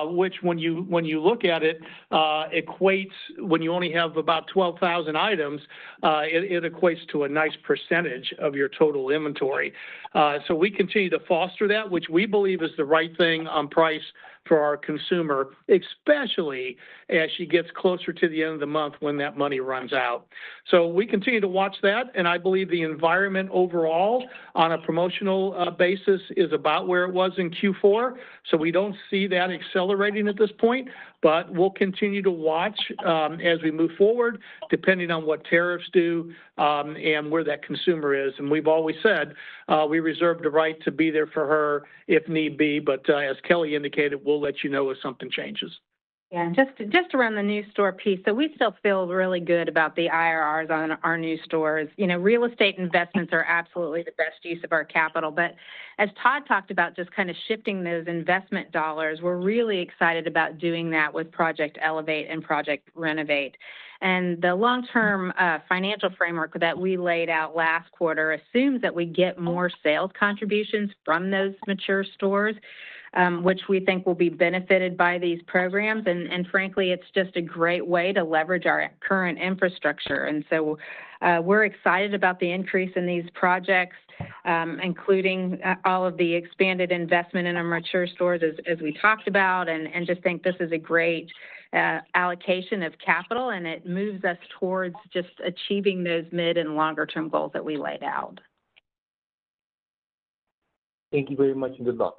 which, when you look at it, equates, when you only have about 12,000 items, it equates to a nice percentage of your total inventory. We continue to foster that, which we believe is the right thing on price for our consumer, especially as she gets closer to the end of the month when that money runs out. We continue to watch that. I believe the environment overall on a promotional basis is about where it was in Q4. We do not see that accelerating at this point, but we will continue to watch as we move forward, depending on what tariffs do and where that consumer is. We have always said we reserve the right to be there for her if need be. As Kelly indicated, we will let you know if something changes. Yeah. Just around the new store piece, we still feel really good about the IRRs on our new stores. Real estate investments are absolutely the best use of our capital. As Todd talked about, just kind of shifting those investment dollars, we're really excited about doing that with Project Elevate and Project Renovate. The long-term financial framework that we laid out last quarter assumes that we get more sales contributions from those mature stores, which we think will be benefited by these programs. Frankly, it's just a great way to leverage our current infrastructure. We're excited about the increase in these projects, including all of the expanded investment in our mature stores, as we talked about, and just think this is a great allocation of capital, and it moves us towards just achieving those mid and longer-term goals that we laid out. Thank you very much and good luck.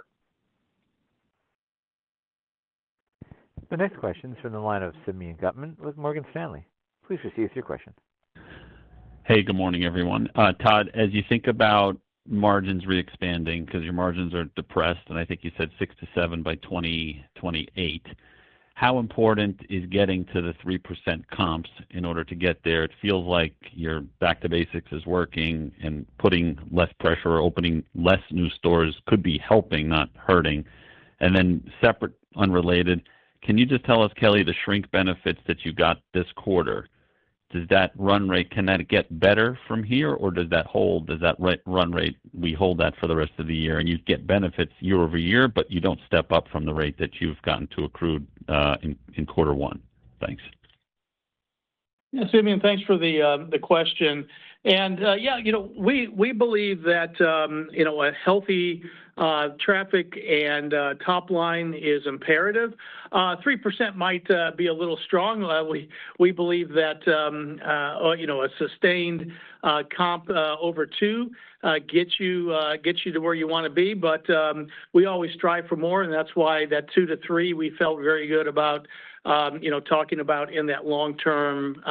The next question is from the line of Simeon Gutman with Morgan Stanley. Please proceed with your question. Hey, good morning, everyone. Todd, as you think about margins re-expanding because your margins are depressed, and I think you said 6%-7% by 2028, how important is getting to the 3% comps in order to get there? It feels like your back-to-basics is working, and putting less pressure or opening fewer new stores could be helping, not hurting. Separate, unrelated, can you just tell us, Kelly, the shrink benefits that you got this quarter? Does that run rate, can that get better from here, or does that hold? Does that run rate, we hold that for the rest of the year, and you get benefits year over year, but you do not step up from the rate that you have gotten to accrued in quarter one? Thanks. Yeah. Simeon, thanks for the question. Yeah, we believe that a healthy traffic and top line is imperative. 3% might be a little strong. We believe that a sustained comp over two gets you to where you want to be. We always strive for more, and that is why that two to three, we felt very good about talking about in that long-term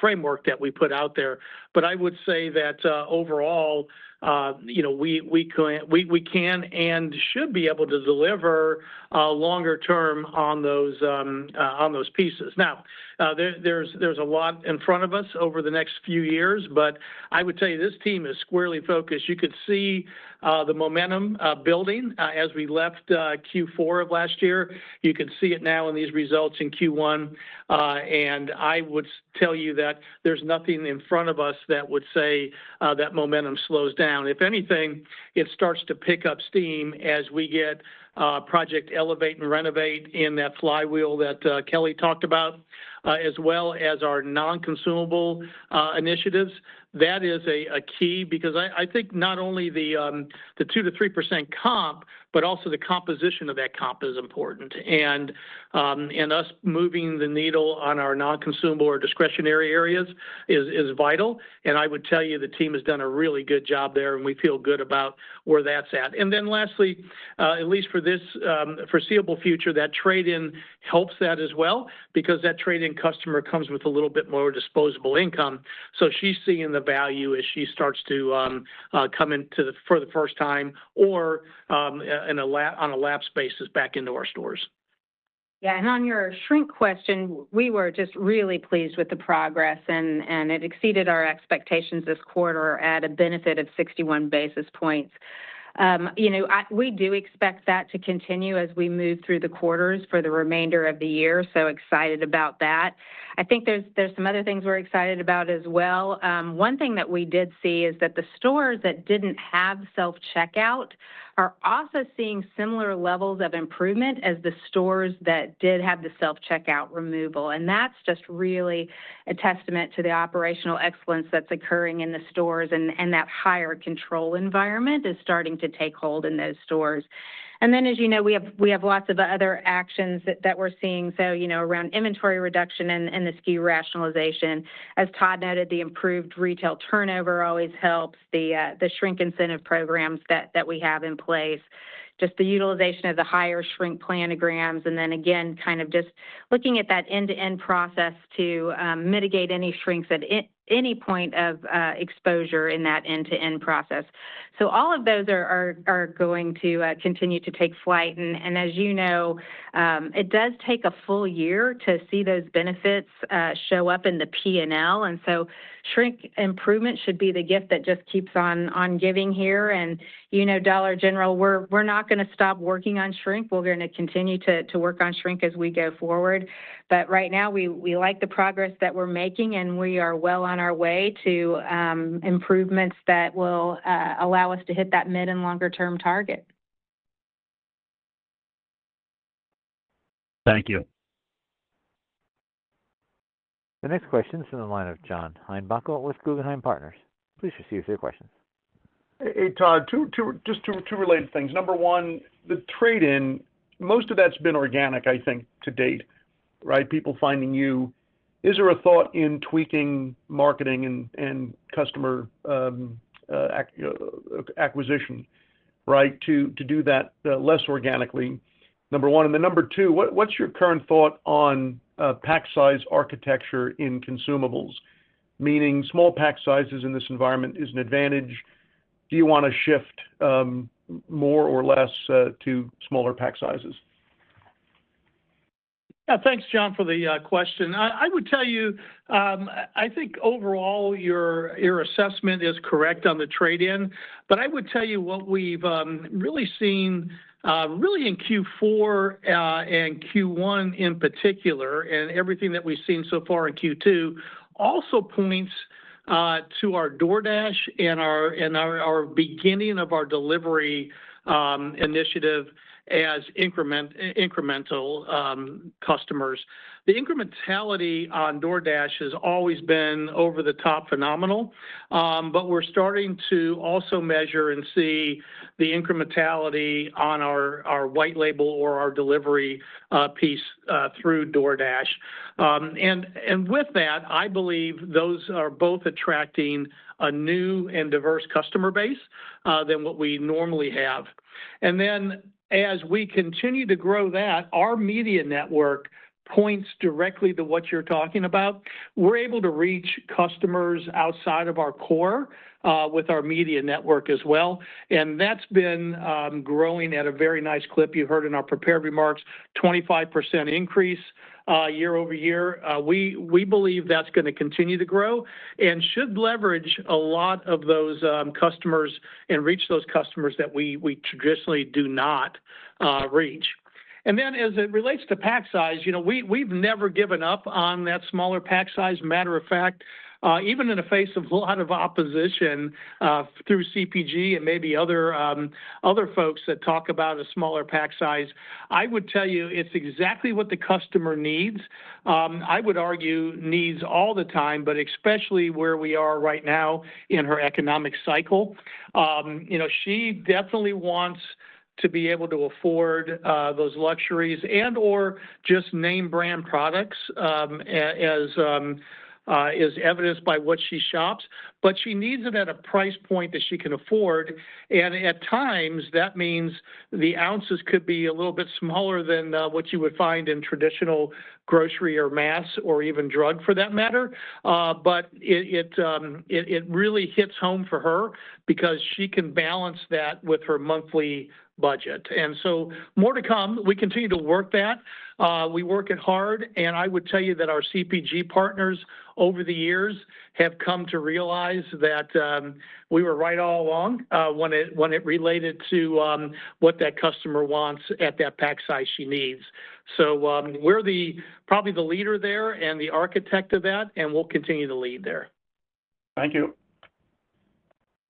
framework that we put out there. I would say that overall, we can and should be able to deliver longer-term on those pieces. Now, there is a lot in front of us over the next few years, but I would tell you this team is squarely focused. You could see the momentum building as we left Q4 of last year. You can see it now in these results in Q1. I would tell you that there's nothing in front of us that would say that momentum slows down. If anything, it starts to pick up steam as we get Project Elevate and Renovate in that flywheel that Kelly talked about, as well as our non-consumable initiatives. That is a key because I think not only the 2%-3% comp, but also the composition of that comp is important. Us moving the needle on our non-consumable or discretionary areas is vital. I would tell you the team has done a really good job there, and we feel good about where that's at. Lastly, at least for this foreseeable future, that trade-in helps that as well because that trade-in customer comes with a little bit more disposable income. She's seeing the value as she starts to come in for the first time or on a lapse basis back into our stores. Yeah. On your shrink question, we were just really pleased with the progress, and it exceeded our expectations this quarter at a benefit of 61 basis points. We do expect that to continue as we move through the quarters for the remainder of the year. Excited about that. I think there are some other things we are excited about as well. One thing that we did see is that the stores that did not have self-checkout are also seeing similar levels of improvement as the stores that did have the self-checkout removal. That is just really a testament to the operational excellence that is occurring in the stores, and that higher control environment is starting to take hold in those stores. As you know, we have lots of other actions that we are seeing, so around inventory reduction and the SKU rationalization. As Todd noted, the improved retail turnover always helps, the shrink incentive programs that we have in place, just the utilization of the higher shrink planograms, and then again, kind of just looking at that end-to-end process to mitigate any shrinks at any point of exposure in that end-to-end process. All of those are going to continue to take flight. As you know, it does take a full year to see those benefits show up in the P&L. Shrink improvement should be the gift that just keeps on giving here. At Dollar General, we're not going to stop working on shrink. We're going to continue to work on shrink as we go forward. Right now, we like the progress that we're making, and we are well on our way to improvements that will allow us to hit that mid and longer-term target. Thank you. The next question is in the line of John Heinbockel with Guggenheim Partners. Please proceed with your questions. Hey, Todd, just two related things. Number one, the trade-in, most of that's been organic, I think, to date, right? People finding you. Is there a thought in tweaking marketing and customer acquisition, right, to do that less organically? Number one. Number two, what's your current thought on pack size architecture in consumables? Meaning small pack sizes in this environment is an advantage. Do you want to shift more or less to smaller pack sizes? Yeah. Thanks, John, for the question. I would tell you, I think overall your assessment is correct on the trade-in. I would tell you what we've really seen, really in Q4 and Q1 in particular, and everything that we've seen so far in Q2 also points to our DoorDash and our beginning of our delivery initiative as incremental customers. The incrementality on DoorDash has always been over the top phenomenal. We're starting to also measure and see the incrementality on our white label or our delivery piece through DoorDash. With that, I believe those are both attracting a new and diverse customer base than what we normally have. As we continue to grow that, our media network points directly to what you're talking about. We're able to reach customers outside of our core with our media network as well. That's been growing at a very nice clip. You heard in our prepared remarks, 25% increase year over year. We believe that's going to continue to grow and should leverage a lot of those customers and reach those customers that we traditionally do not reach. As it relates to pack size, we've never given up on that smaller pack size. Matter of fact, even in the face of a lot of opposition through CPG and maybe other folks that talk about a smaller pack size, I would tell you it's exactly what the customer needs. I would argue needs all the time, especially where we are right now in her economic cycle. She definitely wants to be able to afford those luxuries and/or just name-brand products as evidenced by what she shops. She needs it at a price point that she can afford. At times, that means the ounces could be a little bit smaller than what you would find in traditional grocery or mass or even drug for that matter. It really hits home for her because she can balance that with her monthly budget. More to come. We continue to work that. We work it hard. I would tell you that our CPG partners over the years have come to realize that we were right all along when it related to what that customer wants at that pack size she needs. We are probably the leader there and the architect of that, and we will continue to lead there. Thank you.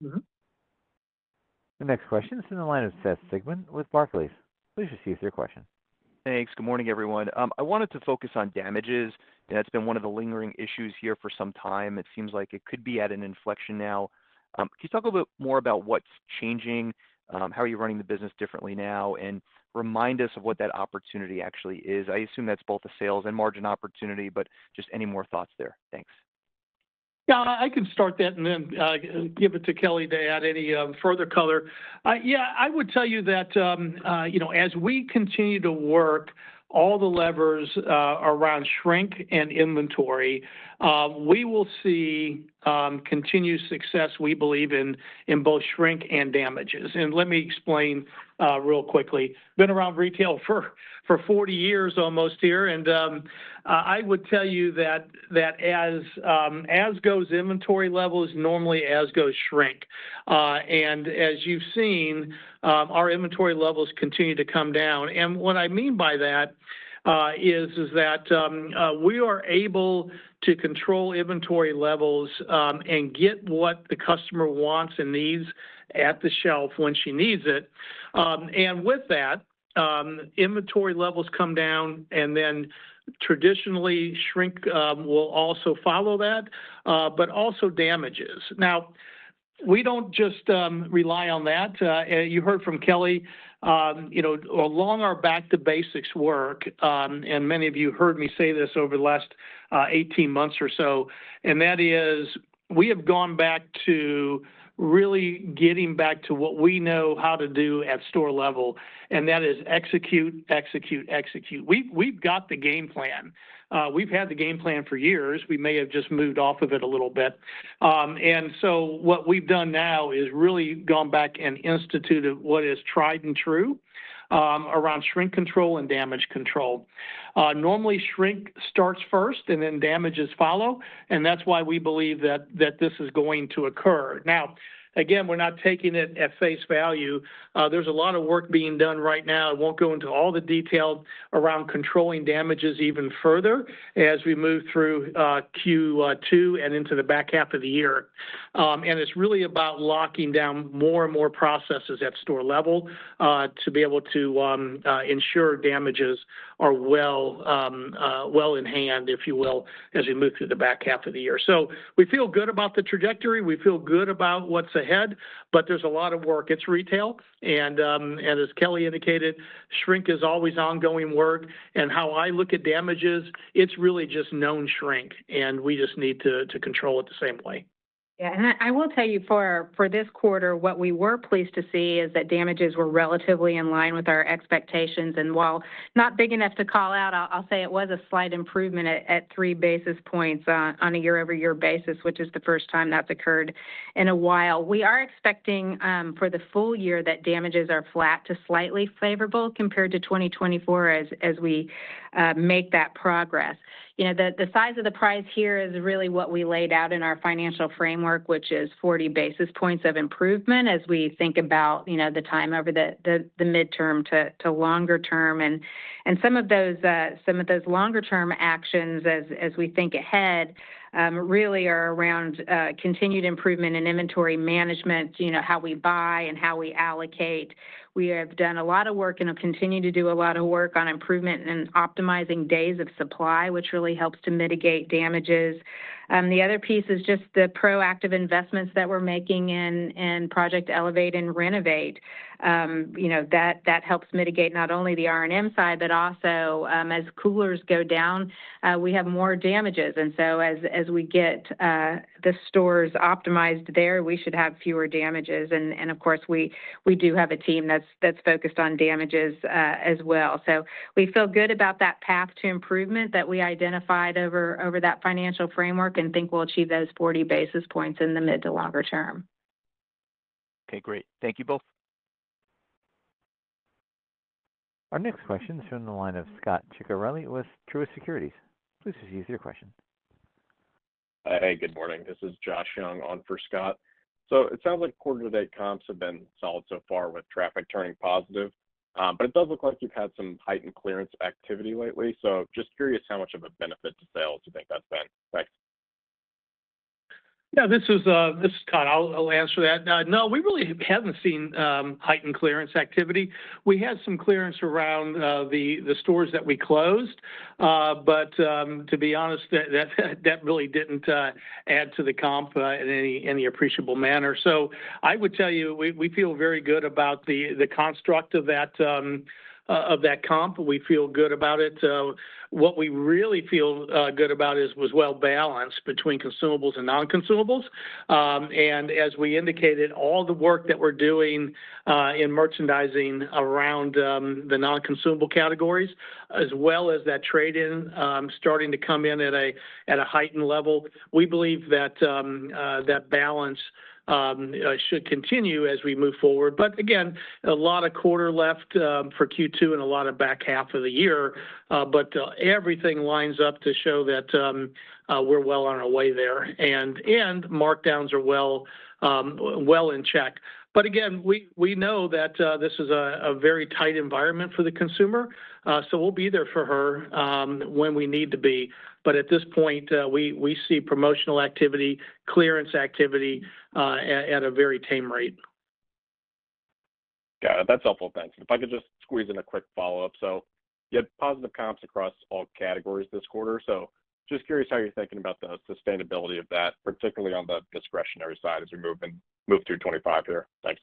The next question is in the line of Seth Sigman with Barclays. Please proceed with your question. Thanks. Good morning, everyone. I wanted to focus on damages. That's been one of the lingering issues here for some time. It seems like it could be at an inflection now. Can you talk a little bit more about what's changing? How are you running the business differently now? Remind us of what that opportunity actually is. I assume that's both a sales and margin opportunity, but just any more thoughts there? Thanks. Yeah. I can start that and then give it to Kelly to add any further color. Yeah. I would tell you that as we continue to work all the levers around shrink and inventory, we will see continued success, we believe, in both shrink and damages. Let me explain real quickly. Been around retail for 40 years almost here. I would tell you that as goes inventory levels, normally as goes shrink. As you've seen, our inventory levels continue to come down. What I mean by that is that we are able to control inventory levels and get what the customer wants and needs at the shelf when she needs it. With that, inventory levels come down, and then traditionally, shrink will also follow that, but also damages. Now, we don't just rely on that. You heard from Kelly, along our back-to-basics work, and many of you heard me say this over the last 18 months or so. That is, we have gone back to really getting back to what we know how to do at store level. That is execute, execute, execute. We've got the game plan. We've had the game plan for years. We may have just moved off of it a little bit. What we've done now is really gone back and instituted what is tried and true around shrink control and damage control. Normally, shrink starts first, and then damages follow. That is why we believe that this is going to occur. Now, again, we're not taking it at face value. There's a lot of work being done right now. I won't go into all the detail around controlling damages even further as we move through Q2 and into the back half of the year. It is really about locking down more and more processes at store level to be able to ensure damages are well in hand, if you will, as we move through the back half of the year. We feel good about the trajectory. We feel good about what's ahead. There is a lot of work. It is retail. As Kelly indicated, shrink is always ongoing work. How I look at damages, it is really just known shrink. We just need to control it the same way. Yeah. I will tell you for this quarter, what we were pleased to see is that damages were relatively in line with our expectations. While not big enough to call out, I'll say it was a slight improvement at three basis points on a year-over-year basis, which is the first time that's occurred in a while. We are expecting for the full year that damages are flat to slightly favorable compared to 2024 as we make that progress. The size of the prize here is really what we laid out in our financial framework, which is 40 basis points of improvement as we think about the time over the midterm to longer term. Some of those longer-term actions as we think ahead really are around continued improvement in inventory management, how we buy and how we allocate. We have done a lot of work and continue to do a lot of work on improvement and optimizing days of supply, which really helps to mitigate damages. The other piece is just the proactive investments that we're making in Project Elevate and Renovate. That helps mitigate not only the R&M side, but also as coolers go down, we have more damages. As we get the stores optimized there, we should have fewer damages. Of course, we do have a team that's focused on damages as well. We feel good about that path to improvement that we identified over that financial framework and think we'll achieve those 40 basis points in the mid to longer term. Okay. Great. Thank you both. Our next question is on the line of Scot Ciccarelli with Truist Securities. Please proceed with your question. Hey, good morning. This is Josh Young on for Scot. It sounds like quarter-to-date comps have been solid so far with traffic turning positive. It does look like you've had some heightened clearance activity lately. Just curious how much of a benefit to sales you think that's been. Thanks. Yeah. This is Todd. I'll answer that. No, we really haven't seen heightened clearance activity. We had some clearance around the stores that we closed. To be honest, that really didn't add to the comp in any appreciable manner. I would tell you we feel very good about the construct of that comp. We feel good about it. What we really feel good about is it was well-balanced between consumables and non-consumables. As we indicated, all the work that we're doing in merchandising around the non-consumable categories, as well as that trade-in starting to come in at a heightened level, we believe that that balance should continue as we move forward. A lot of quarter left for Q2 and a lot of back half of the year. Everything lines up to show that we're well on our way there. Markdowns are well in check. Again, we know that this is a very tight environment for the consumer. We will be there for her when we need to be. At this point, we see promotional activity and clearance activity at a very tame rate. Got it. That's helpful. Thanks. If I could just squeeze in a quick follow-up. You had positive comps across all categories this quarter. Just curious how you're thinking about the sustainability of that, particularly on the discretionary side as we move through 2025 here. Thanks.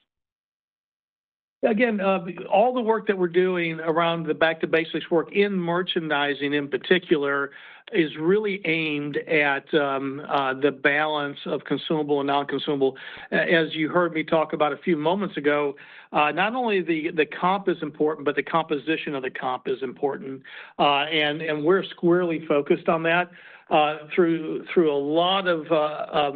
Again, all the work that we're doing around the back-to-basics work in merchandising in particular is really aimed at the balance of consumable and non-consumable. As you heard me talk about a few moments ago, not only the comp is important, but the composition of the comp is important. We're squarely focused on that through a lot of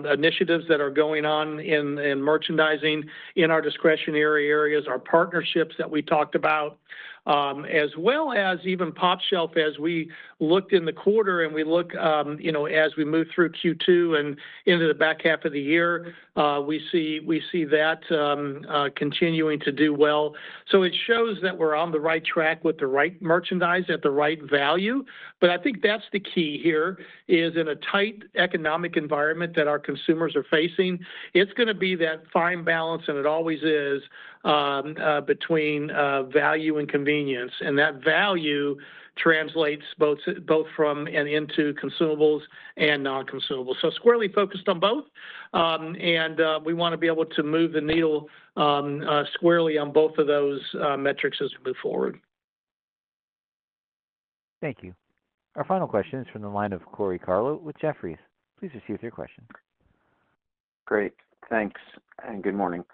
initiatives that are going on in merchandising in our discretionary areas, our partnerships that we talked about, as well as even pOpshelf as we looked in the quarter and we look as we move through Q2 and into the back half of the year, we see that continuing to do well. It shows that we're on the right track with the right merchandise at the right value. I think the key here is in a tight economic environment that our consumers are facing, it's going to be that fine balance, and it always is, between value and convenience. That value translates both from and into consumables and non-consumables. Squarely focused on both. We want to be able to move the needle squarely on both of those metrics as we move forward. Thank you. Our final question is from the line of Corey Tarlowe with Jefferies. Please proceed with your question. Great. Thanks. Good morning.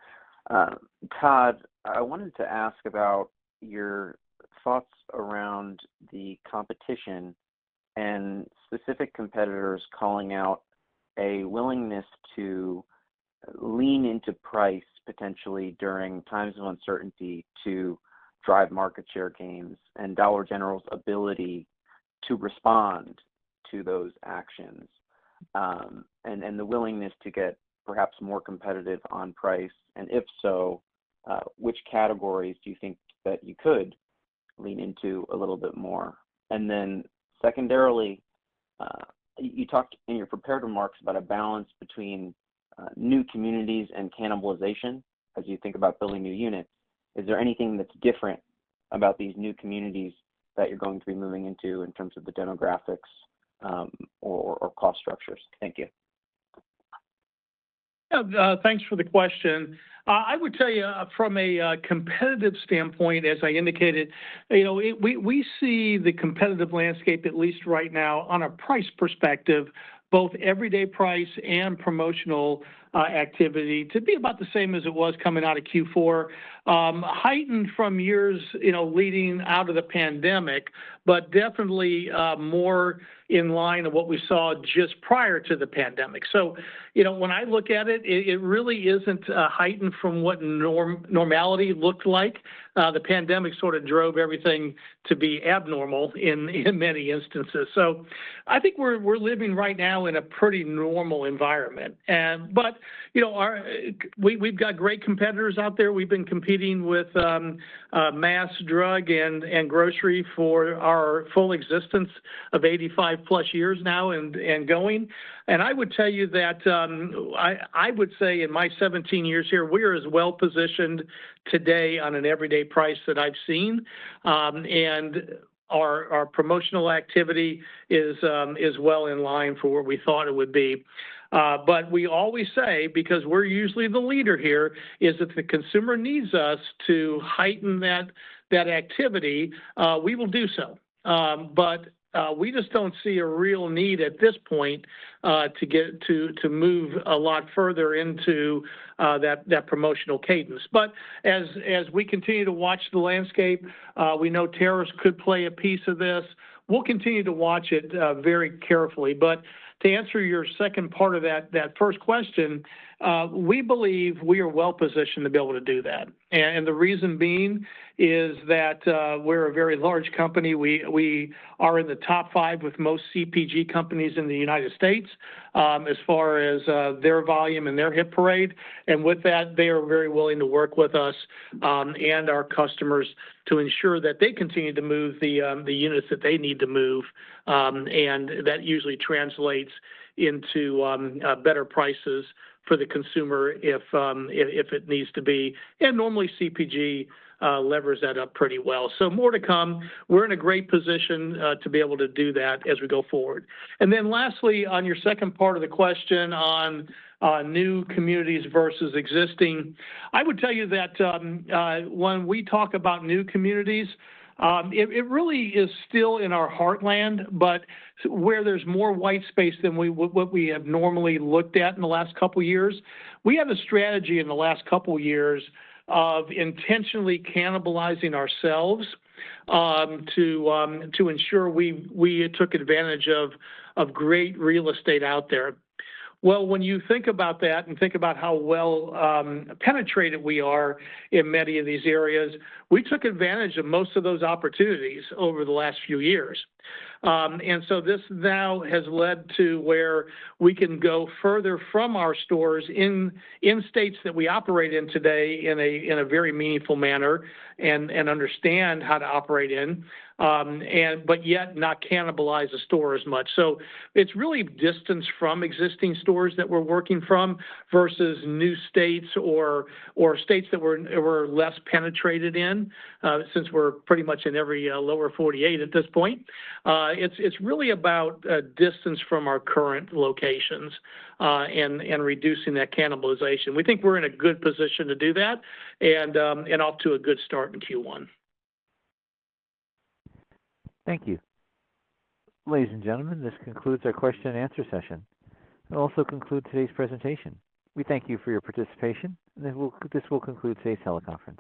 Todd, I wanted to ask about your thoughts around the competition and specific competitors calling out a willingness to lean into price potentially during times of uncertainty to drive market share gains and Dollar General's ability to respond to those actions and the willingness to get perhaps more competitive on price. If so, which categories do you think that you could lean into a little bit more? Secondarily, you talked in your prepared remarks about a balance between new communities and cannibalization as you think about building new units. Is there anything that's different about these new communities that you're going to be moving into in terms of the demographics or cost structures? Thank you. Yeah. Thanks for the question. I would tell you from a competitive standpoint, as I indicated, we see the competitive landscape, at least right now, on a price perspective, both everyday price and promotional activity to be about the same as it was coming out of Q4, heightened from years leading out of the pandemic, but definitely more in line of what we saw just prior to the pandemic. When I look at it, it really isn't heightened from what normality looked like. The pandemic sort of drove everything to be abnormal in many instances. I think we're living right now in a pretty normal environment. We've got great competitors out there. We've been competing with mass drug and grocery for our full existence of 85-plus years now and going. I would tell you that I would say in my 17 years here, we are as well-positioned today on an everyday price that I've seen. Our promotional activity is well in line for where we thought it would be. We always say, because we're usually the leader here, if the consumer needs us to heighten that activity, we will do so. We just do not see a real need at this point to move a lot further into that promotional cadence. As we continue to watch the landscape, we know tariffs could play a piece of this. We will continue to watch it very carefully. To answer your second part of that first question, we believe we are well-positioned to be able to do that. The reason being is that we're a very large company. We are in the top five with most CPG companies in the United States as far as their volume and their hit parade. With that, they are very willing to work with us and our customers to ensure that they continue to move the units that they need to move. That usually translates into better prices for the consumer if it needs to be. Normally, CPG levers that up pretty well. More to come. We're in a great position to be able to do that as we go forward. Lastly, on your second part of the question on new communities versus existing, I would tell you that when we talk about new communities, it really is still in our heartland, but where there is more white space than what we have normally looked at in the last couple of years. We have had a strategy in the last couple of years of intentionally cannibalizing ourselves to ensure we took advantage of great real estate out there. When you think about that and think about how well-penetrated we are in many of these areas, we took advantage of most of those opportunities over the last few years. This now has led to where we can go further from our stores in states that we operate in today in a very meaningful manner and understand how to operate in, but yet not cannibalize a store as much. It's really distance from existing stores that we're working from versus new states or states that we're less penetrated in since we're pretty much in every lower 48 at this point. It's really about distance from our current locations and reducing that cannibalization. We think we're in a good position to do that and off to a good start in Q1. Thank you. Ladies and gentlemen, this concludes our question-and-answer session. It also concludes today's presentation. We thank you for your participation. This will conclude today's teleconference.